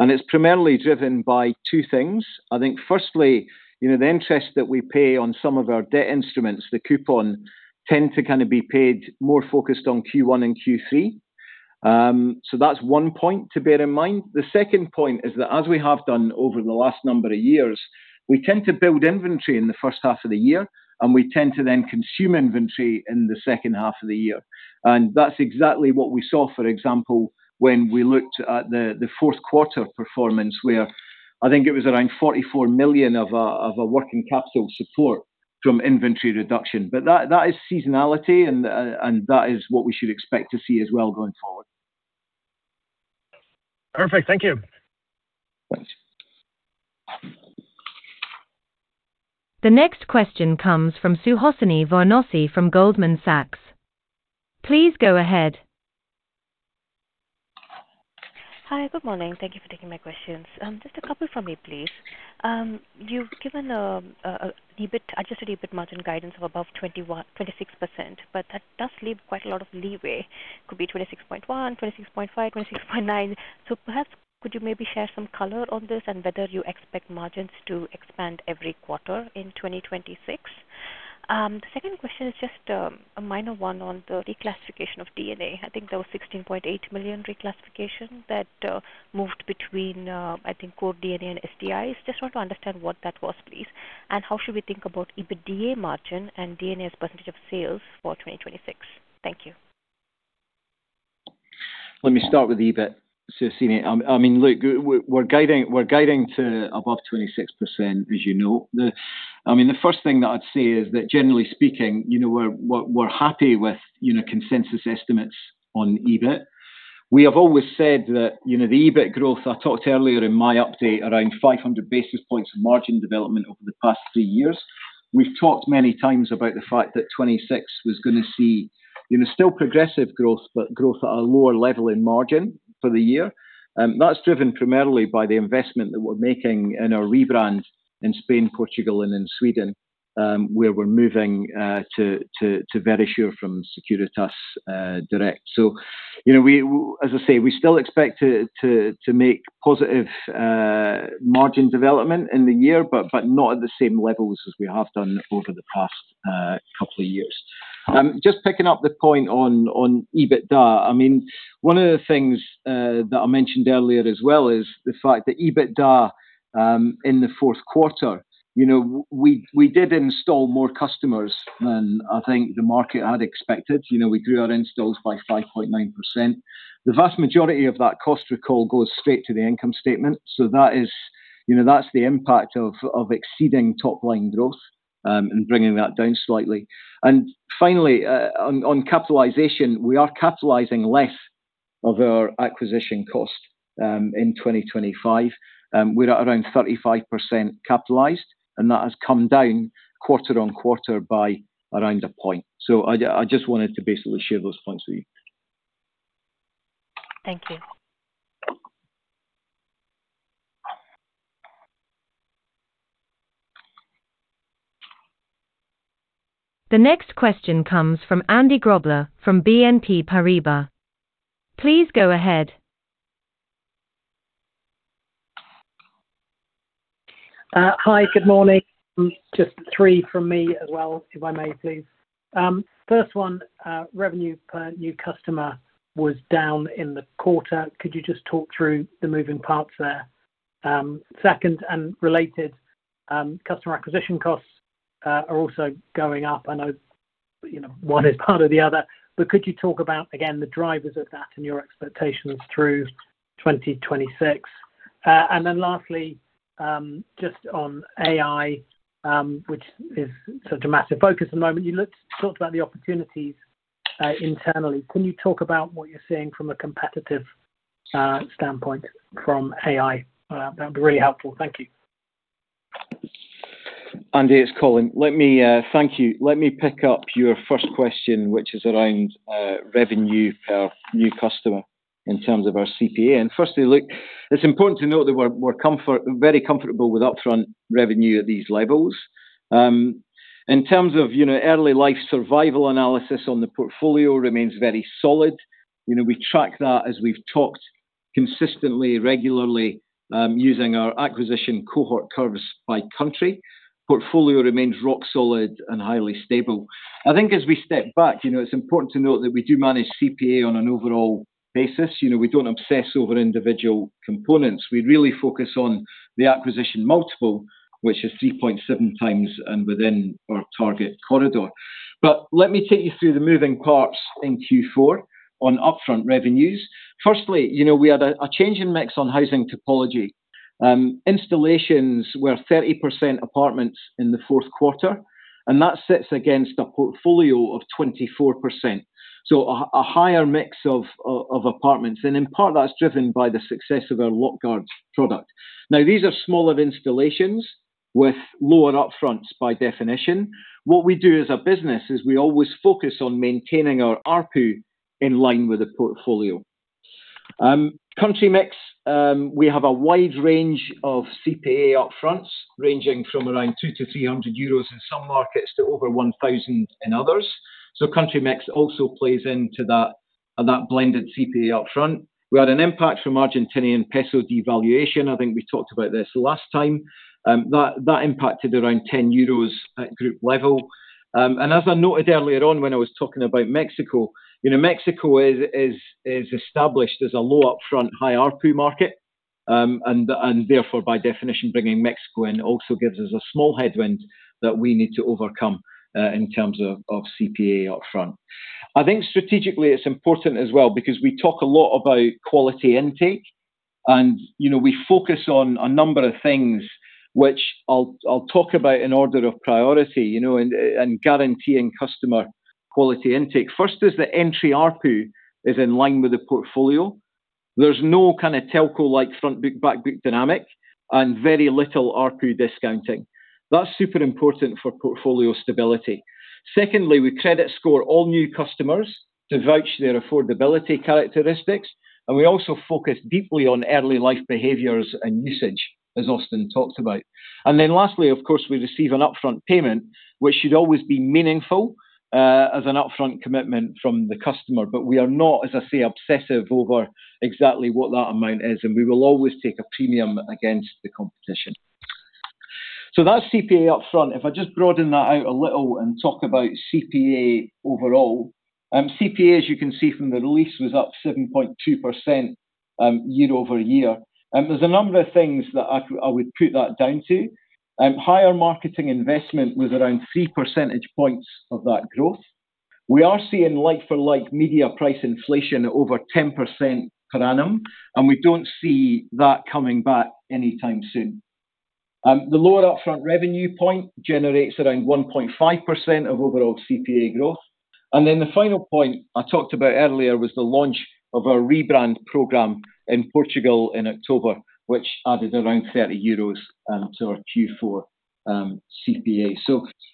and it's primarily driven by two things. I think firstly, you know, the interest that we pay on some of our debt instruments, the coupon, tend to kind of be paid more focused on Q1 and Q3. So that's one point to bear in mind. The second point is that, as we have done over the last number of years, we tend to build inventory in the first half of the year, and we tend to then consume inventory in the second half of the year. That's exactly what we saw, for example, when we looked at the fourth quarter performance, where I think it was around 44 million of a working capital support from inventory reduction. But that is seasonality, and that is what we should expect to see as well going forward. Perfect. Thank you. The next question comes from Suhasini Varanasi from Goldman Sachs. Please go ahead. Hi, good morning. Thank you for taking my questions. Just a couple from me, please. You've given EBIT, adjusted EBIT margin guidance of above 21-26%, but that does leave quite a lot of leeway. Could be 26.1, 26.5, 26.9. So perhaps could you maybe share some color on this and whether you expect margins to expand every quarter in 2026? The second question is just a minor one on the reclassification of D&A. I think there was 16.8 million reclassification that moved between, I think, core D&A and SDIs. Just want to understand what that was, please. And how should we think about EBITDA margin and D&A as a percentage of sales for 2026? Thank you. Let me start with the EBIT, Suhasini. I mean, look, we're guiding to above 26%, as you know. I mean, the first thing that I'd say is that, generally speaking, you know, we're happy with, you know, consensus estimates on EBIT. We have always said that, you know, the EBIT growth, I talked earlier in my update, around 500 basis points of margin development over the past three years. We've talked many times about the fact that 2026 was gonna see, you know, still progressive growth, but growth at a lower level in margin for the year. That's driven primarily by the investment that we're making in our rebrand in Spain, Portugal, and in Sweden, where we're moving to Verisure from Securitas Direct. So, you know, we as I say, we still expect to make positive margin development in the year, but not at the same levels as we have done over the past couple of years. Just picking up the point on EBITDA, I mean, one of the things that I mentioned earlier as well, is the fact that EBITDA in the fourth quarter, we did install more customers than I think the market had expected. We grew our installs by 5.9%. The vast majority of that cost recall goes straight to the income statement. So that is. That's the impact of exceeding top-line growth and bringing that down slightly. And finally, on capitalization, we are capitalizing less of our acquisition cost in 2025. We're at around 35% capitalized, and that has come down quarter-on-quarter by around a point. So I just wanted to basically share those points with you. Thank you. The next question comes from Andy Grobler from BNP Paribas. Please go ahead. Hi, good morning. Just three from me as well, if I may, please. First one, revenue per new customer was down in the quarter. Could you just talk through the moving parts there? Second, and related, customer acquisition costs are also going up. I know, you know, one is part of the other, but could you talk about, again, the drivers of that and your expectations through 2026? And then lastly, just on AI, which is such a massive focus at the moment, you talked about the opportunities internally. Can you talk about what you're seeing from a competitive standpoint from AI? That would be really helpful. Thank you. Andy, it's Colin. Let me. Thank you. Let me pick up your first question, which is around revenue per new customer in terms of our CPA. Firstly, look, it's important to note that we're very comfortable with upfront revenue at these levels. In terms of, you know, early life survival analysis on the portfolio remains very solid. You know, we track that as we've talked consistently, regularly, using our acquisition cohort curves by country. Portfolio remains rock solid and highly stable. I think as we step back, you know, it's important to note that we do manage CPA on an overall basis. You know, we don't obsess over individual components. We really focus on the acquisition multiple, which is 3.7x and within our target corridor. But let me take you through the moving parts in Q4 on upfront revenues. Firstly, you know, we had a change in mix on housing typology. Installations were 30% apartments in the fourth quarter, and that sits against a portfolio of 24%, so a higher mix of apartments, and in part, that's driven by the success of our LockGuard product. Now, these are smaller installations with lower upfronts by definition. What we do as a business is we always focus on maintaining our ARPU in line with the portfolio. Country mix, we have a wide range of CPA upfronts, ranging from around 200-300 euros in some markets, to over 1,000 EUR in others. So country mix also plays into that, that blended CPA upfront. We had an impact from Argentine peso devaluation. I think we talked about this last time. That impacted around 10 euros at group level. As I noted earlier on when I was talking about Mexico, you know, Mexico is established as a low upfront, high ARPU market. Therefore, by definition, bringing Mexico in also gives us a small headwind that we need to overcome in terms of CPA upfront. I think strategically it’s important as well because we talk a lot about quality intake, and you know, we focus on a number of things, which I’ll talk about in order of priority, you know, and guaranteeing customer quality intake. First is the entry ARPU is in line with the portfolio. There’s no kind of telco-like front book-back book dynamic and very little RPU discounting. That’s super important for portfolio stability. Secondly, we credit score all new customers to vouch their affordability characteristics, and we also focus deeply on early life behaviors and usage, as Austin talked about. And then lastly, of course, we receive an upfront payment, which should always be meaningful, as an upfront commitment from the customer. But we are not, as I say, obsessive over exactly what that amount is, and we will always take a premium against the competition. So that's CPA upfront. If I just broaden that out a little and talk about CPA overall. CPA, as you can see from the release, was up 7.2%, year-over-year. And there's a number of things that I would put that down to. Higher marketing investment was around three percentage points of that growth. We are seeing like-for-like media price inflation over 10% per annum, and we don't see that coming back anytime soon. The lower upfront revenue point generates around 1.5% of overall CPA growth. Then the final point I talked about earlier was the launch of our rebrand program in Portugal in October, which added around 30 euros to our Q4 CPA.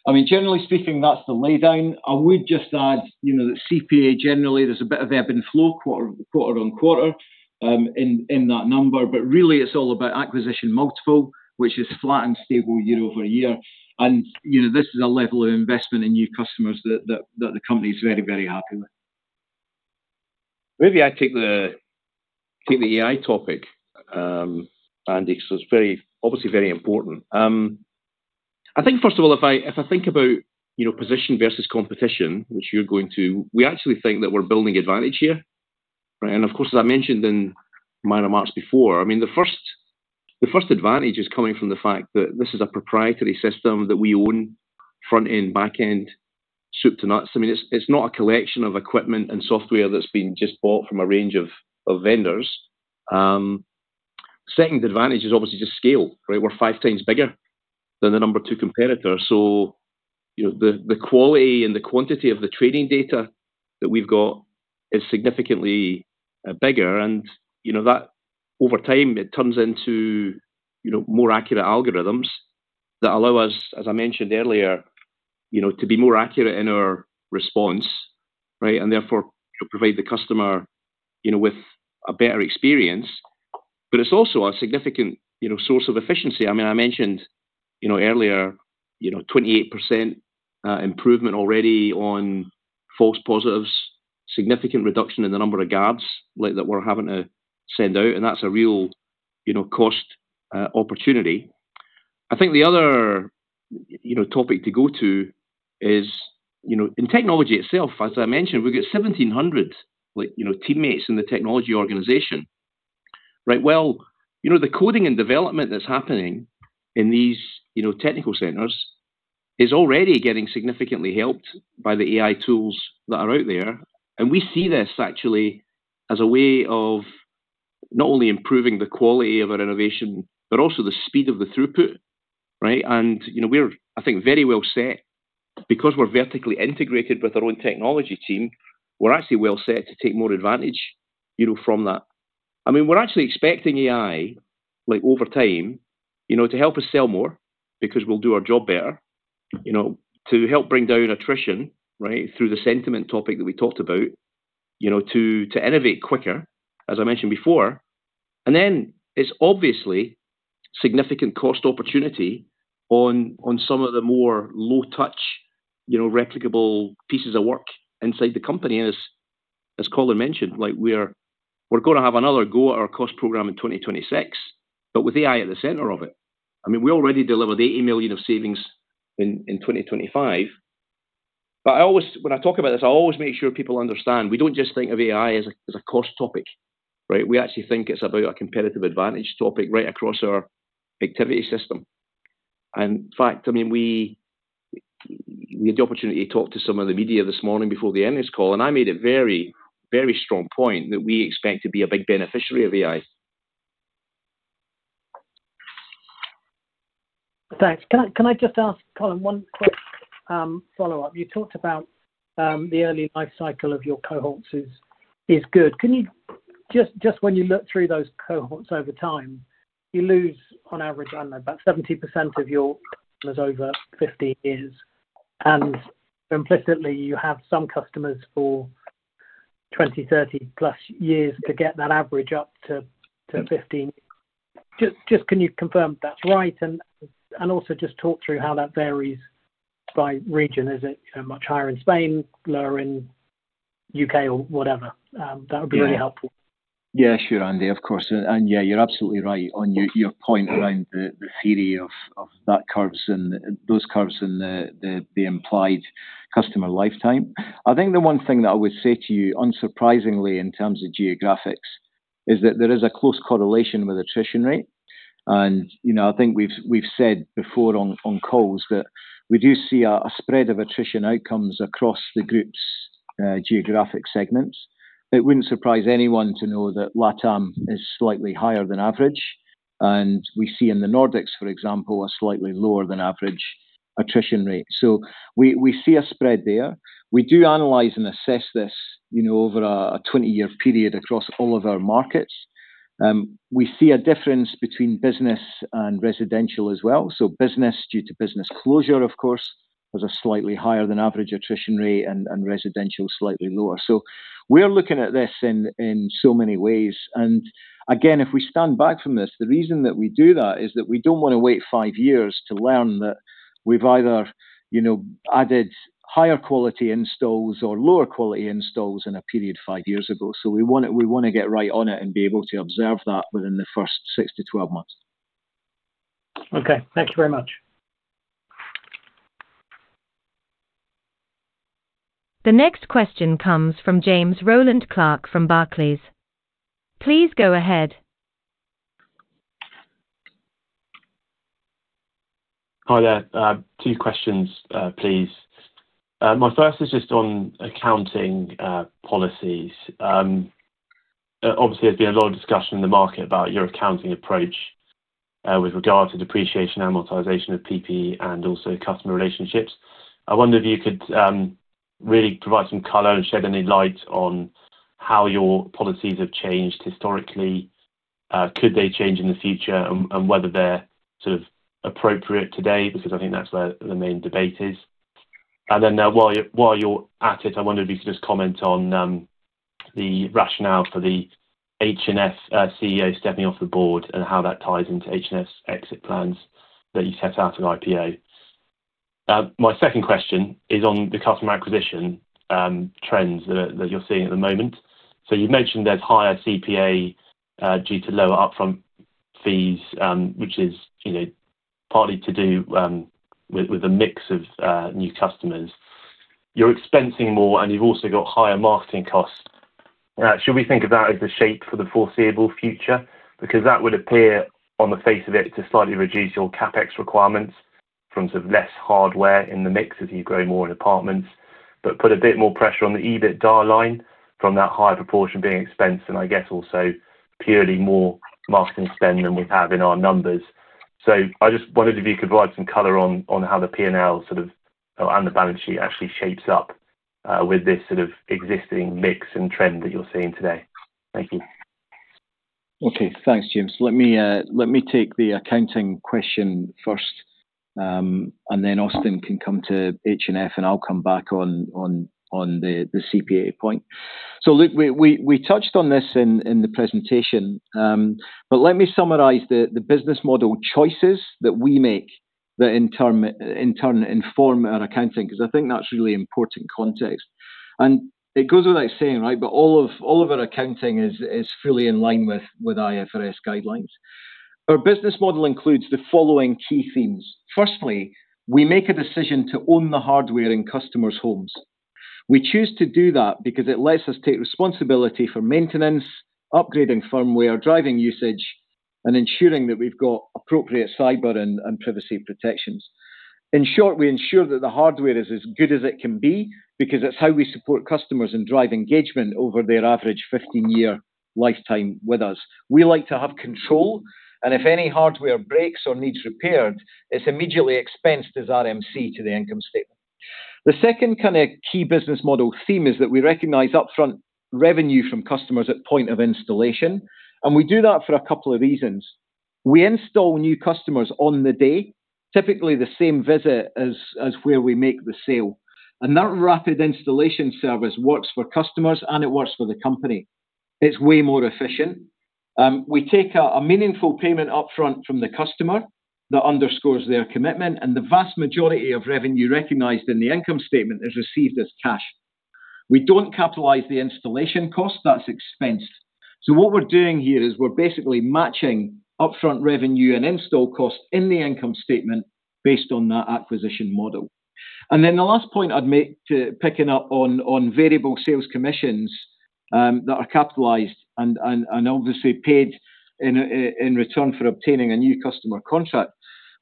I mean, generally speaking, that's the laydown. I would just add, you know, that CPA, generally, there's a bit of ebb and flow, quarter-on-quarter, in that number, but really, it's all about acquisition multiple, which is flat and stable year-over-year. You know, this is a level of investment in new customers that the company is very, very happy with. Maybe I take the AI topic, Andy, so it's very, obviously very important. I think, first of all, if I think about, you know, position versus competition, which you're going to, we actually think that we're building advantage here, right? And of course, as I mentioned in my remarks before, I mean, the first advantage is coming from the fact that this is a proprietary system that we own front end, back end, soup to nuts. I mean, it's not a collection of equipment and software that's been just bought from a range of vendors. Second advantage is obviously just scale, right? We're five times bigger than the number two competitor. So, you know, the quality and the quantity of the training data that we've got is significantly bigger, and, you know, that over time, it turns into, you know, more accurate algorithms that allow us, as I mentioned earlier, you know, to be more accurate in our response, right? And therefore, to provide the customer, you know, with a better experience. But it's also a significant, you know, source of efficiency. I mean, I mentioned, you know, earlier, you know, 28% improvement already on false positives, significant reduction in the number of guards like that we're having to send out, and that's a real, you know, cost opportunity. I think the other, you know, topic to go to is, you know, in technology itself, as I mentioned, we've got 1,700, like, you know, teammates in the technology organization. Right. Well, you know, the coding and development that's happening in these, you know, technical centers is already getting significantly helped by the AI tools that are out there, and we see this actually as a way of not only improving the quality of our innovation, but also the speed of the throughput, right? And, you know, we're, I think, very well set because we're vertically integrated with our own technology team. We're actually well set to take more advantage, you know, from that. I mean, we're actually expecting AI, like, over time, you know, to help us sell more because we'll do our job better, you know, to help bring down attrition, right, through the sentiment topic that we talked about, you know, to innovate quicker, as I mentioned before. And then it's obviously significant cost opportunity on some of the more low touch, you know, replicable pieces of work inside the company, as Colin mentioned. Like, we're gonna have another go at our cost program in 2026, but with AI at the center of it. I mean, we already delivered 80 million of savings in 2025. But I always, when I talk about this, I always make sure people understand, we don't just think of AI as a cost topic, right? We actually think it's about a competitive advantage topic right across our activity system. And in fact, I mean, we had the opportunity to talk to some of the media this morning before the earnings call, and I made a very, very strong point that we expect to be a big beneficiary of AI. Thanks. Can I, can I just ask Colin one quick, follow-up? You talked about, the early life cycle of your cohorts is, is good. Just, just when you look through those cohorts over time, you lose, on average, I know, about 70% of your customers over 50 years, and implicitly, you have some customers for 20, 30+ years to get that average up to, to 15. Just, just can you confirm if that's right, and, and also just talk through how that varies by region. Is it, you know, much higher in Spain, lower in UK or whatever? That would be really helpful. Yeah, sure, Andy, of course. And yeah, you're absolutely right on your, your point around the, the theory of, of that curves and those curves and the, the, the implied customer lifetime. I think the one thing that I would say to you, unsurprisingly, in terms of geographics, is that there is a close correlation with attrition rate. And, you know, I think we've, we've said before on, on calls that we do see a, a spread of attrition outcomes across the group's geographic segments. It wouldn't surprise anyone to know that LATAM is slightly higher than average. And we see in the Nordics, for example, a slightly lower than average attrition rate. So we see a spread there. We do analyze and assess this, you know, over a 20-year period across all of our markets. We see a difference between business and residential as well. So business, due to business closure, of course, has a slightly higher than average attrition rate and residential, slightly lower. So we're looking at this in so many ways, and again, if we stand back from this, the reason that we do that is that we don't wanna wait five years to learn that we've either, you know, added higher quality installs or lower quality installs in a period five years ago. So we wanna get right on it and be able to observe that within the first six-12 months. Okay. Thank you very much. The next question comes from James Rowland Clark from Barclays. Please go ahead. Hi there. Two questions, please. My first is just on accounting policies. Obviously, there's been a lot of discussion in the market about your accounting approach with regard to depreciation, amortization of PP&E, and also customer relationships. I wonder if you could really provide some color and shed any light on how your policies have changed historically, could they change in the future and whether they're sort of appropriate today? Because I think that's where the main debate is. And then, while you're at it, I wondered if you could just comment on the rationale for the H&F CEO stepping off the board and how that ties into H&F's exit plans that you set out in IPO. My second question is on the customer acquisition trends that you're seeing at the moment. So you've mentioned there's higher CPA due to lower upfront fees, which is, you know, partly to do with a mix of new customers. You're expensing more, and you've also got higher marketing costs. Should we think of that as the shape for the foreseeable future? Because that would appear, on the face of it, to slightly reduce your CapEx requirements from sort of less hardware in the mix as you grow more in apartments, but put a bit more pressure on the EBITDA line from that higher proportion being expensed and I guess also purely more marketing spend than we have in our numbers. So I just wondered if you could provide some color on how the P&L sort of or and the balance sheet actually shapes up with this sort of existing mix and trend that you're seeing today. Thank you. Okay. Thanks, James. Let me take the accounting question first, and then Austin can come to H&F, and I'll come back on the CPA point. So look, we touched on this in the presentation, but let me summarize the business model choices that we make that in turn inform our accounting, 'cause I think that's really important context. And it goes without saying, right, but all of our accounting is fully in line with IFRS guidelines. Our business model includes the following key themes: firstly, we make a decision to own the hardware in customers' homes. We choose to do that because it lets us take responsibility for maintenance, upgrading firmware, driving usage, and ensuring that we've got appropriate cyber and privacy protections. In short, we ensure that the hardware is as good as it can be, because it's how we support customers and drive engagement over their average 15-year lifetime with us. We like to have control, and if any hardware breaks or needs repaired, it's immediately expensed as RMC to the income statement. The second kind of key business model theme is that we recognize upfront revenue from customers at point of installation, and we do that for a couple of reasons. We install new customers on the day, typically the same visit as where we make the sale. That rapid installation service works for customers, and it works for the company. It's way more efficient. We take a meaningful payment upfront from the customer that underscores their commitment, and the vast majority of revenue recognized in the income statement is received as cash. We don't capitalize the installation cost; that's expensed. So what we're doing here is we're basically matching upfront revenue and install cost in the income statement based on that acquisition model. And then the last point I'd make, picking up on variable sales commissions that are capitalized and obviously paid in return for obtaining a new customer contract.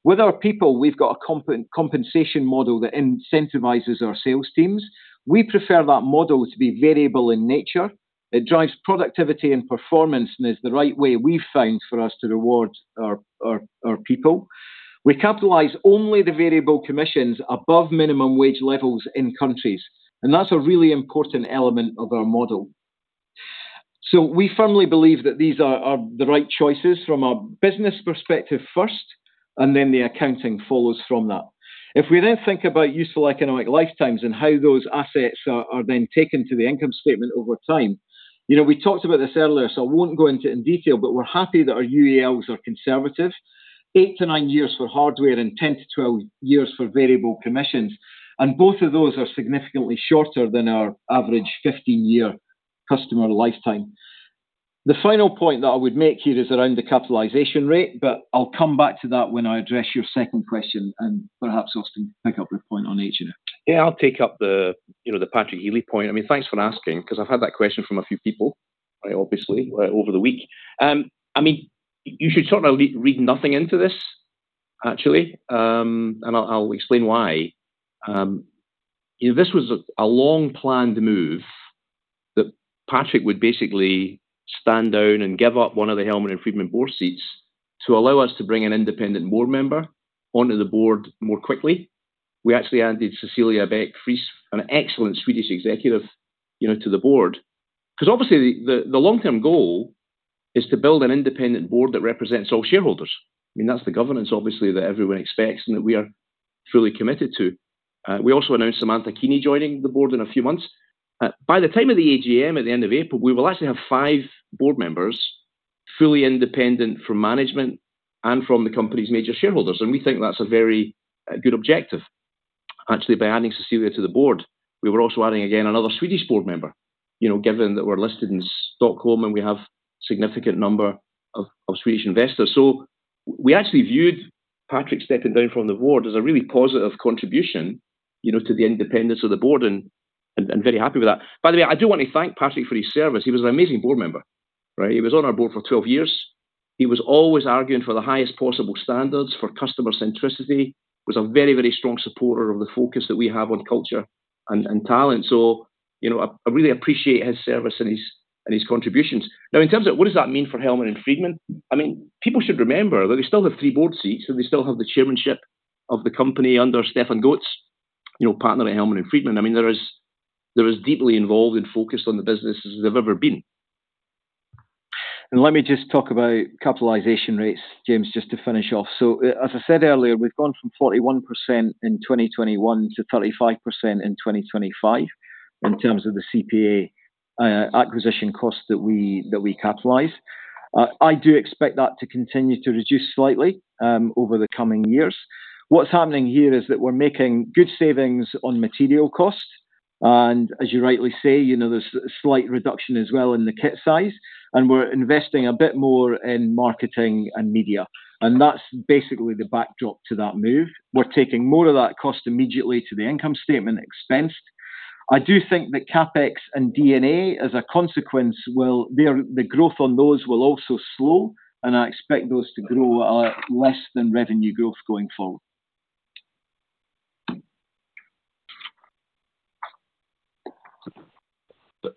With our people, we've got a compensation model that incentivizes our sales teams. We prefer that model to be variable in nature. It drives productivity and performance and is the right way we've found for us to reward our people. We capitalize only the variable commissions above minimum wage levels in countries, and that's a really important element of our model. So we firmly believe that these are the right choices from a business perspective first, and then the accounting follows from that. If we then think about useful economic lifetimes and how those assets are then taken to the income statement over time, you know, we talked about this earlier, so I won't go into it in detail, but we're happy that our UALs are conservative. 8-9 years for hardware and 10-12 years for variable commissions, and both of those are significantly shorter than our average 15-year customer lifetime. The final point that I would make here is around the capitalization rate, but I'll come back to that when I address your second question, and perhaps Austin can pick up the point on H&F. Yeah, I'll take up you know the Patrick Healy point. I mean, thanks for asking, 'cause I've had that question from a few people, obviously, over the week. I mean, you should certainly read nothing into this. Actually, and I'll explain why. You know, this was a long-planned move that Patrick would basically stand down and give up one of the Hellman & Friedman board seats to allow us to bring an independent board member onto the board more quickly. We actually added Cecilia Beck-Friis, an excellent Swedish executive, you know, to the board. Because obviously, the long-term goal is to build an independent board that represents all shareholders. I mean, that's the governance, obviously, that everyone expects and that we are truly committed to. We also announced Samantha Keeney joining the board in a few months. By the time of the AGM at the end of April, we will actually have five board members, fully independent from management and from the company's major shareholders, and we think that's a very good objective. Actually, by adding Cecilia to the board, we were also adding, again, another Swedish board member. You know, given that we're listed in Stockholm and we have significant number of Swedish investors. So we actually viewed Patrick stepping down from the board as a really positive contribution, you know, to the independence of the board, and I'm very happy with that. By the way, I do want to thank Patrick for his service. He was an amazing board member, right? He was on our board for 12 years. He was always arguing for the highest possible standards for customer centricity. Was a very, very strong supporter of the focus that we have on culture and talent. So, you know, I really appreciate his service and his contributions. Now, in terms of what does that mean for Hellman & Friedman? I mean, people should remember that we still have three board seats, and we still have the chairmanship of the company under Stefan Götz, you know, partner at Hellman & Friedman. I mean, there is, they're as deeply involved and focused on the business as they've ever been. Let me just talk about capitalization rates, James, just to finish off. As I said earlier, we've gone from 41% in 2021 to 35% in 2025, in terms of the CPA, acquisition costs that we capitalize. I do expect that to continue to reduce slightly, over the coming years. What's happening here is that we're making good savings on material costs, and as you rightly say, you know, there's a slight reduction as well in the kit size, and we're investing a bit more in marketing and media, and that's basically the backdrop to that move. We're taking more of that cost immediately to the income statement expensed. I do think that CapEx and D&A, as a consequence, the growth on those will also slow, and I expect those to grow at less than revenue growth going forward.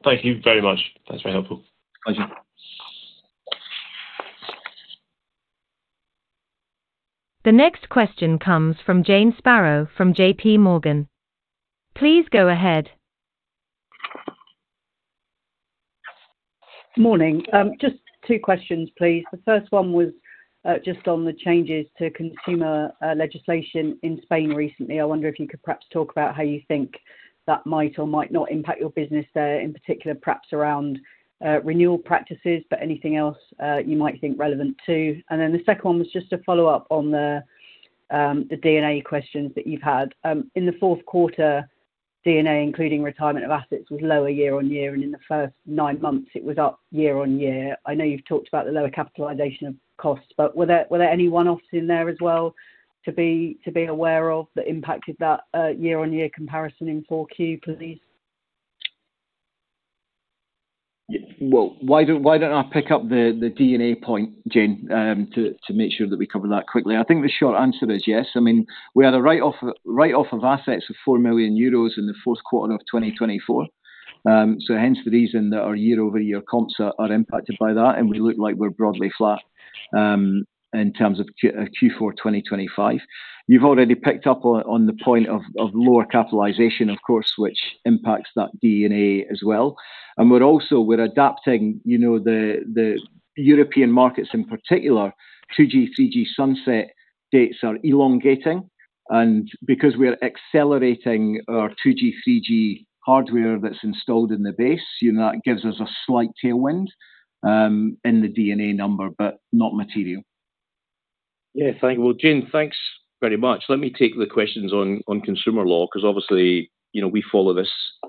Thank you very much. That's very helpful. Thank you. The next question comes from Jane Sparrow from JPMorgan. Please go ahead. Morning. Just two questions, please. The first one was just on the changes to consumer legislation in Spain recently. I wonder if you could perhaps talk about how you think that might or might not impact your business there, in particular, perhaps around renewal practices, but anything else you might think relevant, too. Then the second one was just a follow-up on the D&A questions that you've had. In the fourth quarter, D&A, including retirement of assets, was lower year-over-year, and in the first nine months, it was up year-over-year. I know you've talked about the lower capitalization of costs, but were there any one-offs in there as well to be aware of, that impacted that year-over-year comparison in Q4, please? Well, why don't I pick up the D&A point, Jane, to make sure that we cover that quickly? I think the short answer is yes. I mean, we had a write-off of assets of 4 million euros in the fourth quarter of 2024. So hence the reason that our year-over-year comps are impacted by that, and we look like we're broadly flat in terms of Q4 2025. You've already picked up on the point of lower capitalization, of course, which impacts that D&A as well. We're also adapting, you know, the European markets in particular, 2G, 3G sunset dates are elongating, and because we are accelerating our 2G, 3G hardware that's installed in the base, you know, that gives us a slight tailwind in the D&A number, but not material. Yeah, thank you. Well, Jane, thanks very much. Let me take the questions on, on consumer law, because obviously, you know, we follow this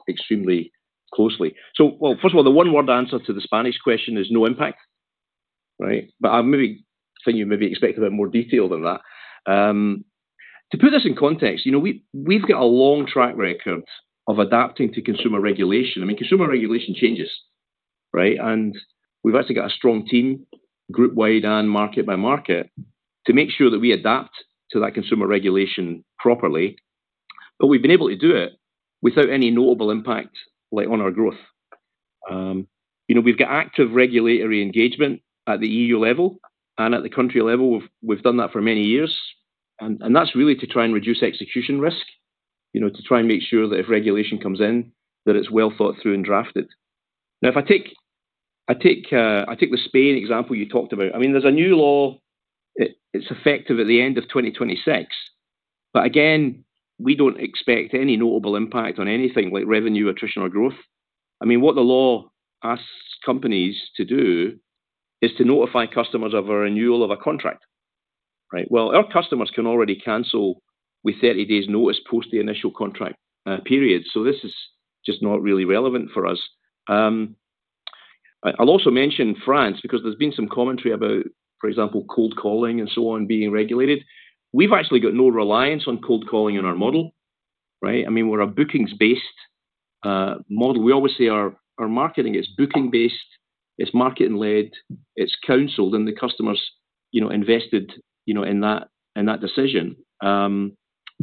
extremely closely. So, well, first of all, the one-word answer to the Spanish question is no impact, right? But I maybe think you maybe expected a bit more detail than that. To put this in context, you know, we, we've got a long track record of adapting to consumer regulation. I mean, consumer regulation changes, right? And we've actually got a strong team, group wide and market by market, to make sure that we adapt to that consumer regulation properly. But we've been able to do it without any notable impact, like, on our growth. You know, we've got active regulatory engagement at the EU level and at the country level. We've done that for many years, and that's really to try and reduce execution risk, you know, to try and make sure that if regulation comes in, that it's well thought through and drafted. Now, if I take the Spain example you talked about. I mean, there's a new law, it's effective at the end of 2026, but again, we don't expect any notable impact on anything like revenue, attrition, or growth. I mean, what the law asks companies to do is to notify customers of a renewal of a contract, right? Well, our customers can already cancel with 30 days notice post the initial contract period, so this is just not really relevant for us. I'll also mention France, because there's been some commentary about, for example, cold calling and so on, being regulated. We've actually got no reliance on cold calling in our model, right? I mean, we're a bookings-based model. We always say our marketing is booking-based, it's marketing-led, it's counseled, and the customer's, you know, invested, you know, in that, in that decision. I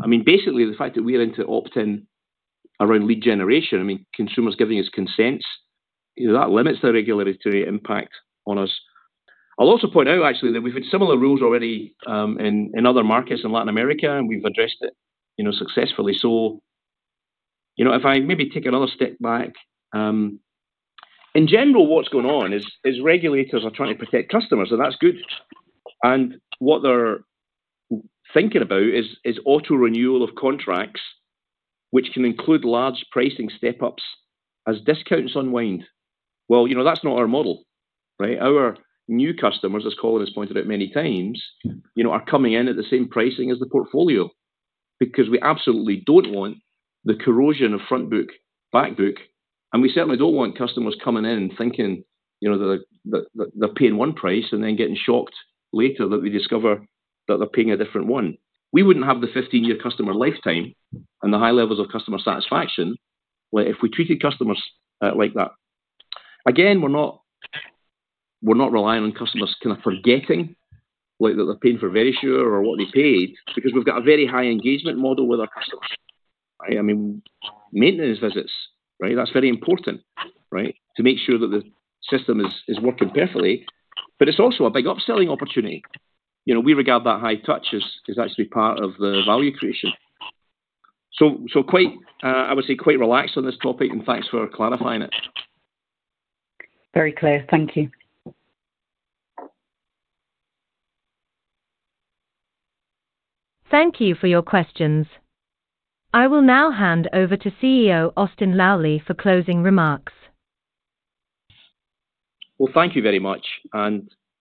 mean, basically, the fact that we are into opt-in around lead generation, I mean, consumers giving us consents, you know, that limits the regulatory impact on us. I'll also point out, actually, that we've had similar rules already in other markets in Latin America, and we've addressed it, you know, successfully. So, you know, if I maybe take another step back, in general, what's going on is regulators are trying to protect customers, and that's good. What they're thinking about is auto renewal of contracts, which can include large pricing step-ups as discounts unwind. Well, you know, that's not our model, right? Our new customers, as Colin has pointed out many times, you know, are coming in at the same pricing as the portfolio because we absolutely don't want the corrosion of front book, back book, and we certainly don't want customers coming in thinking, you know, that they, that, that they're paying one price and then getting shocked later that they discover that they're paying a different one. We wouldn't have the 15-year customer lifetime and the high levels of customer satisfaction, like, if we treated customers like that. Again, we're not, we're not relying on customers kind of forgetting, like, that they're paying for Verisure or what they paid, because we've got a very high engagement model with our customers. I mean, maintenance visits, right? That's very important, right? To make sure that the system is working perfectly, but it's also a big upselling opportunity. You know, we regard that high touch as actually part of the value creation. So quite, I would say, quite relaxed on this topic, and thanks for clarifying it. Very clear. Thank you. Thank you for your questions. I will now hand over to CEO Austin Lally for closing remarks. Well, thank you very much. I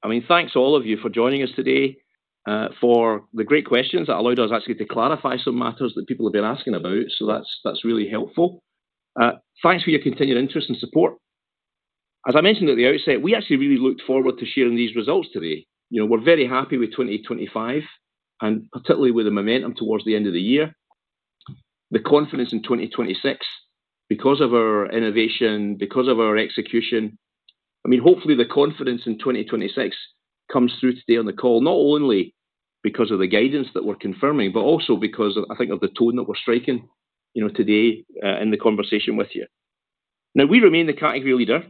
mean, thanks all of you for joining us today, for the great questions that allowed us actually to clarify some matters that people have been asking about. That's, that's really helpful. Thanks for your continued interest and support. As I mentioned at the outset, we actually really looked forward to sharing these results today. You know, we're very happy with 2025, and particularly with the momentum towards the end of the year. The confidence in 2026, because of our innovation, because of our execution, I mean, hopefully the confidence in 2026 comes through today on the call, not only because of the guidance that we're confirming, but also because of, I think of the tone that we're striking, you know, today, in the conversation with you. Now, we remain the category leader.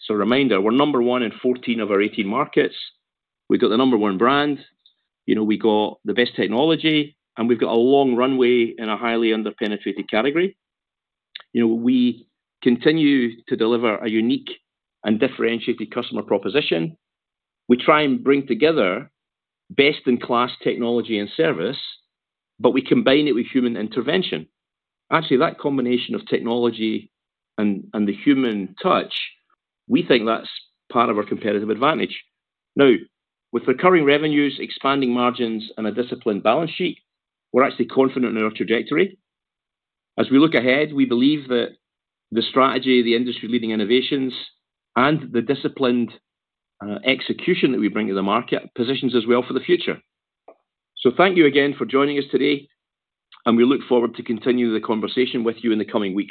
So reminder, we're number one in 14 of our 18 markets. We've got the number one brand, you know, we got the best technology, and we've got a long runway in a highly underpenetrated category. You know, we continue to deliver a unique and differentiated customer proposition. We try and bring together best-in-class technology and service, but we combine it with human intervention. Actually, that combination of technology and the human touch, we think that's part of our competitive advantage. Now, with recurring revenues, expanding margins, and a disciplined balance sheet, we're actually confident in our trajectory. As we look ahead, we believe that the strategy, the industry-leading innovations, and the disciplined execution that we bring to the market positions us well for the future. So thank you again for joining us today, and we look forward to continuing the conversation with you in the coming weeks.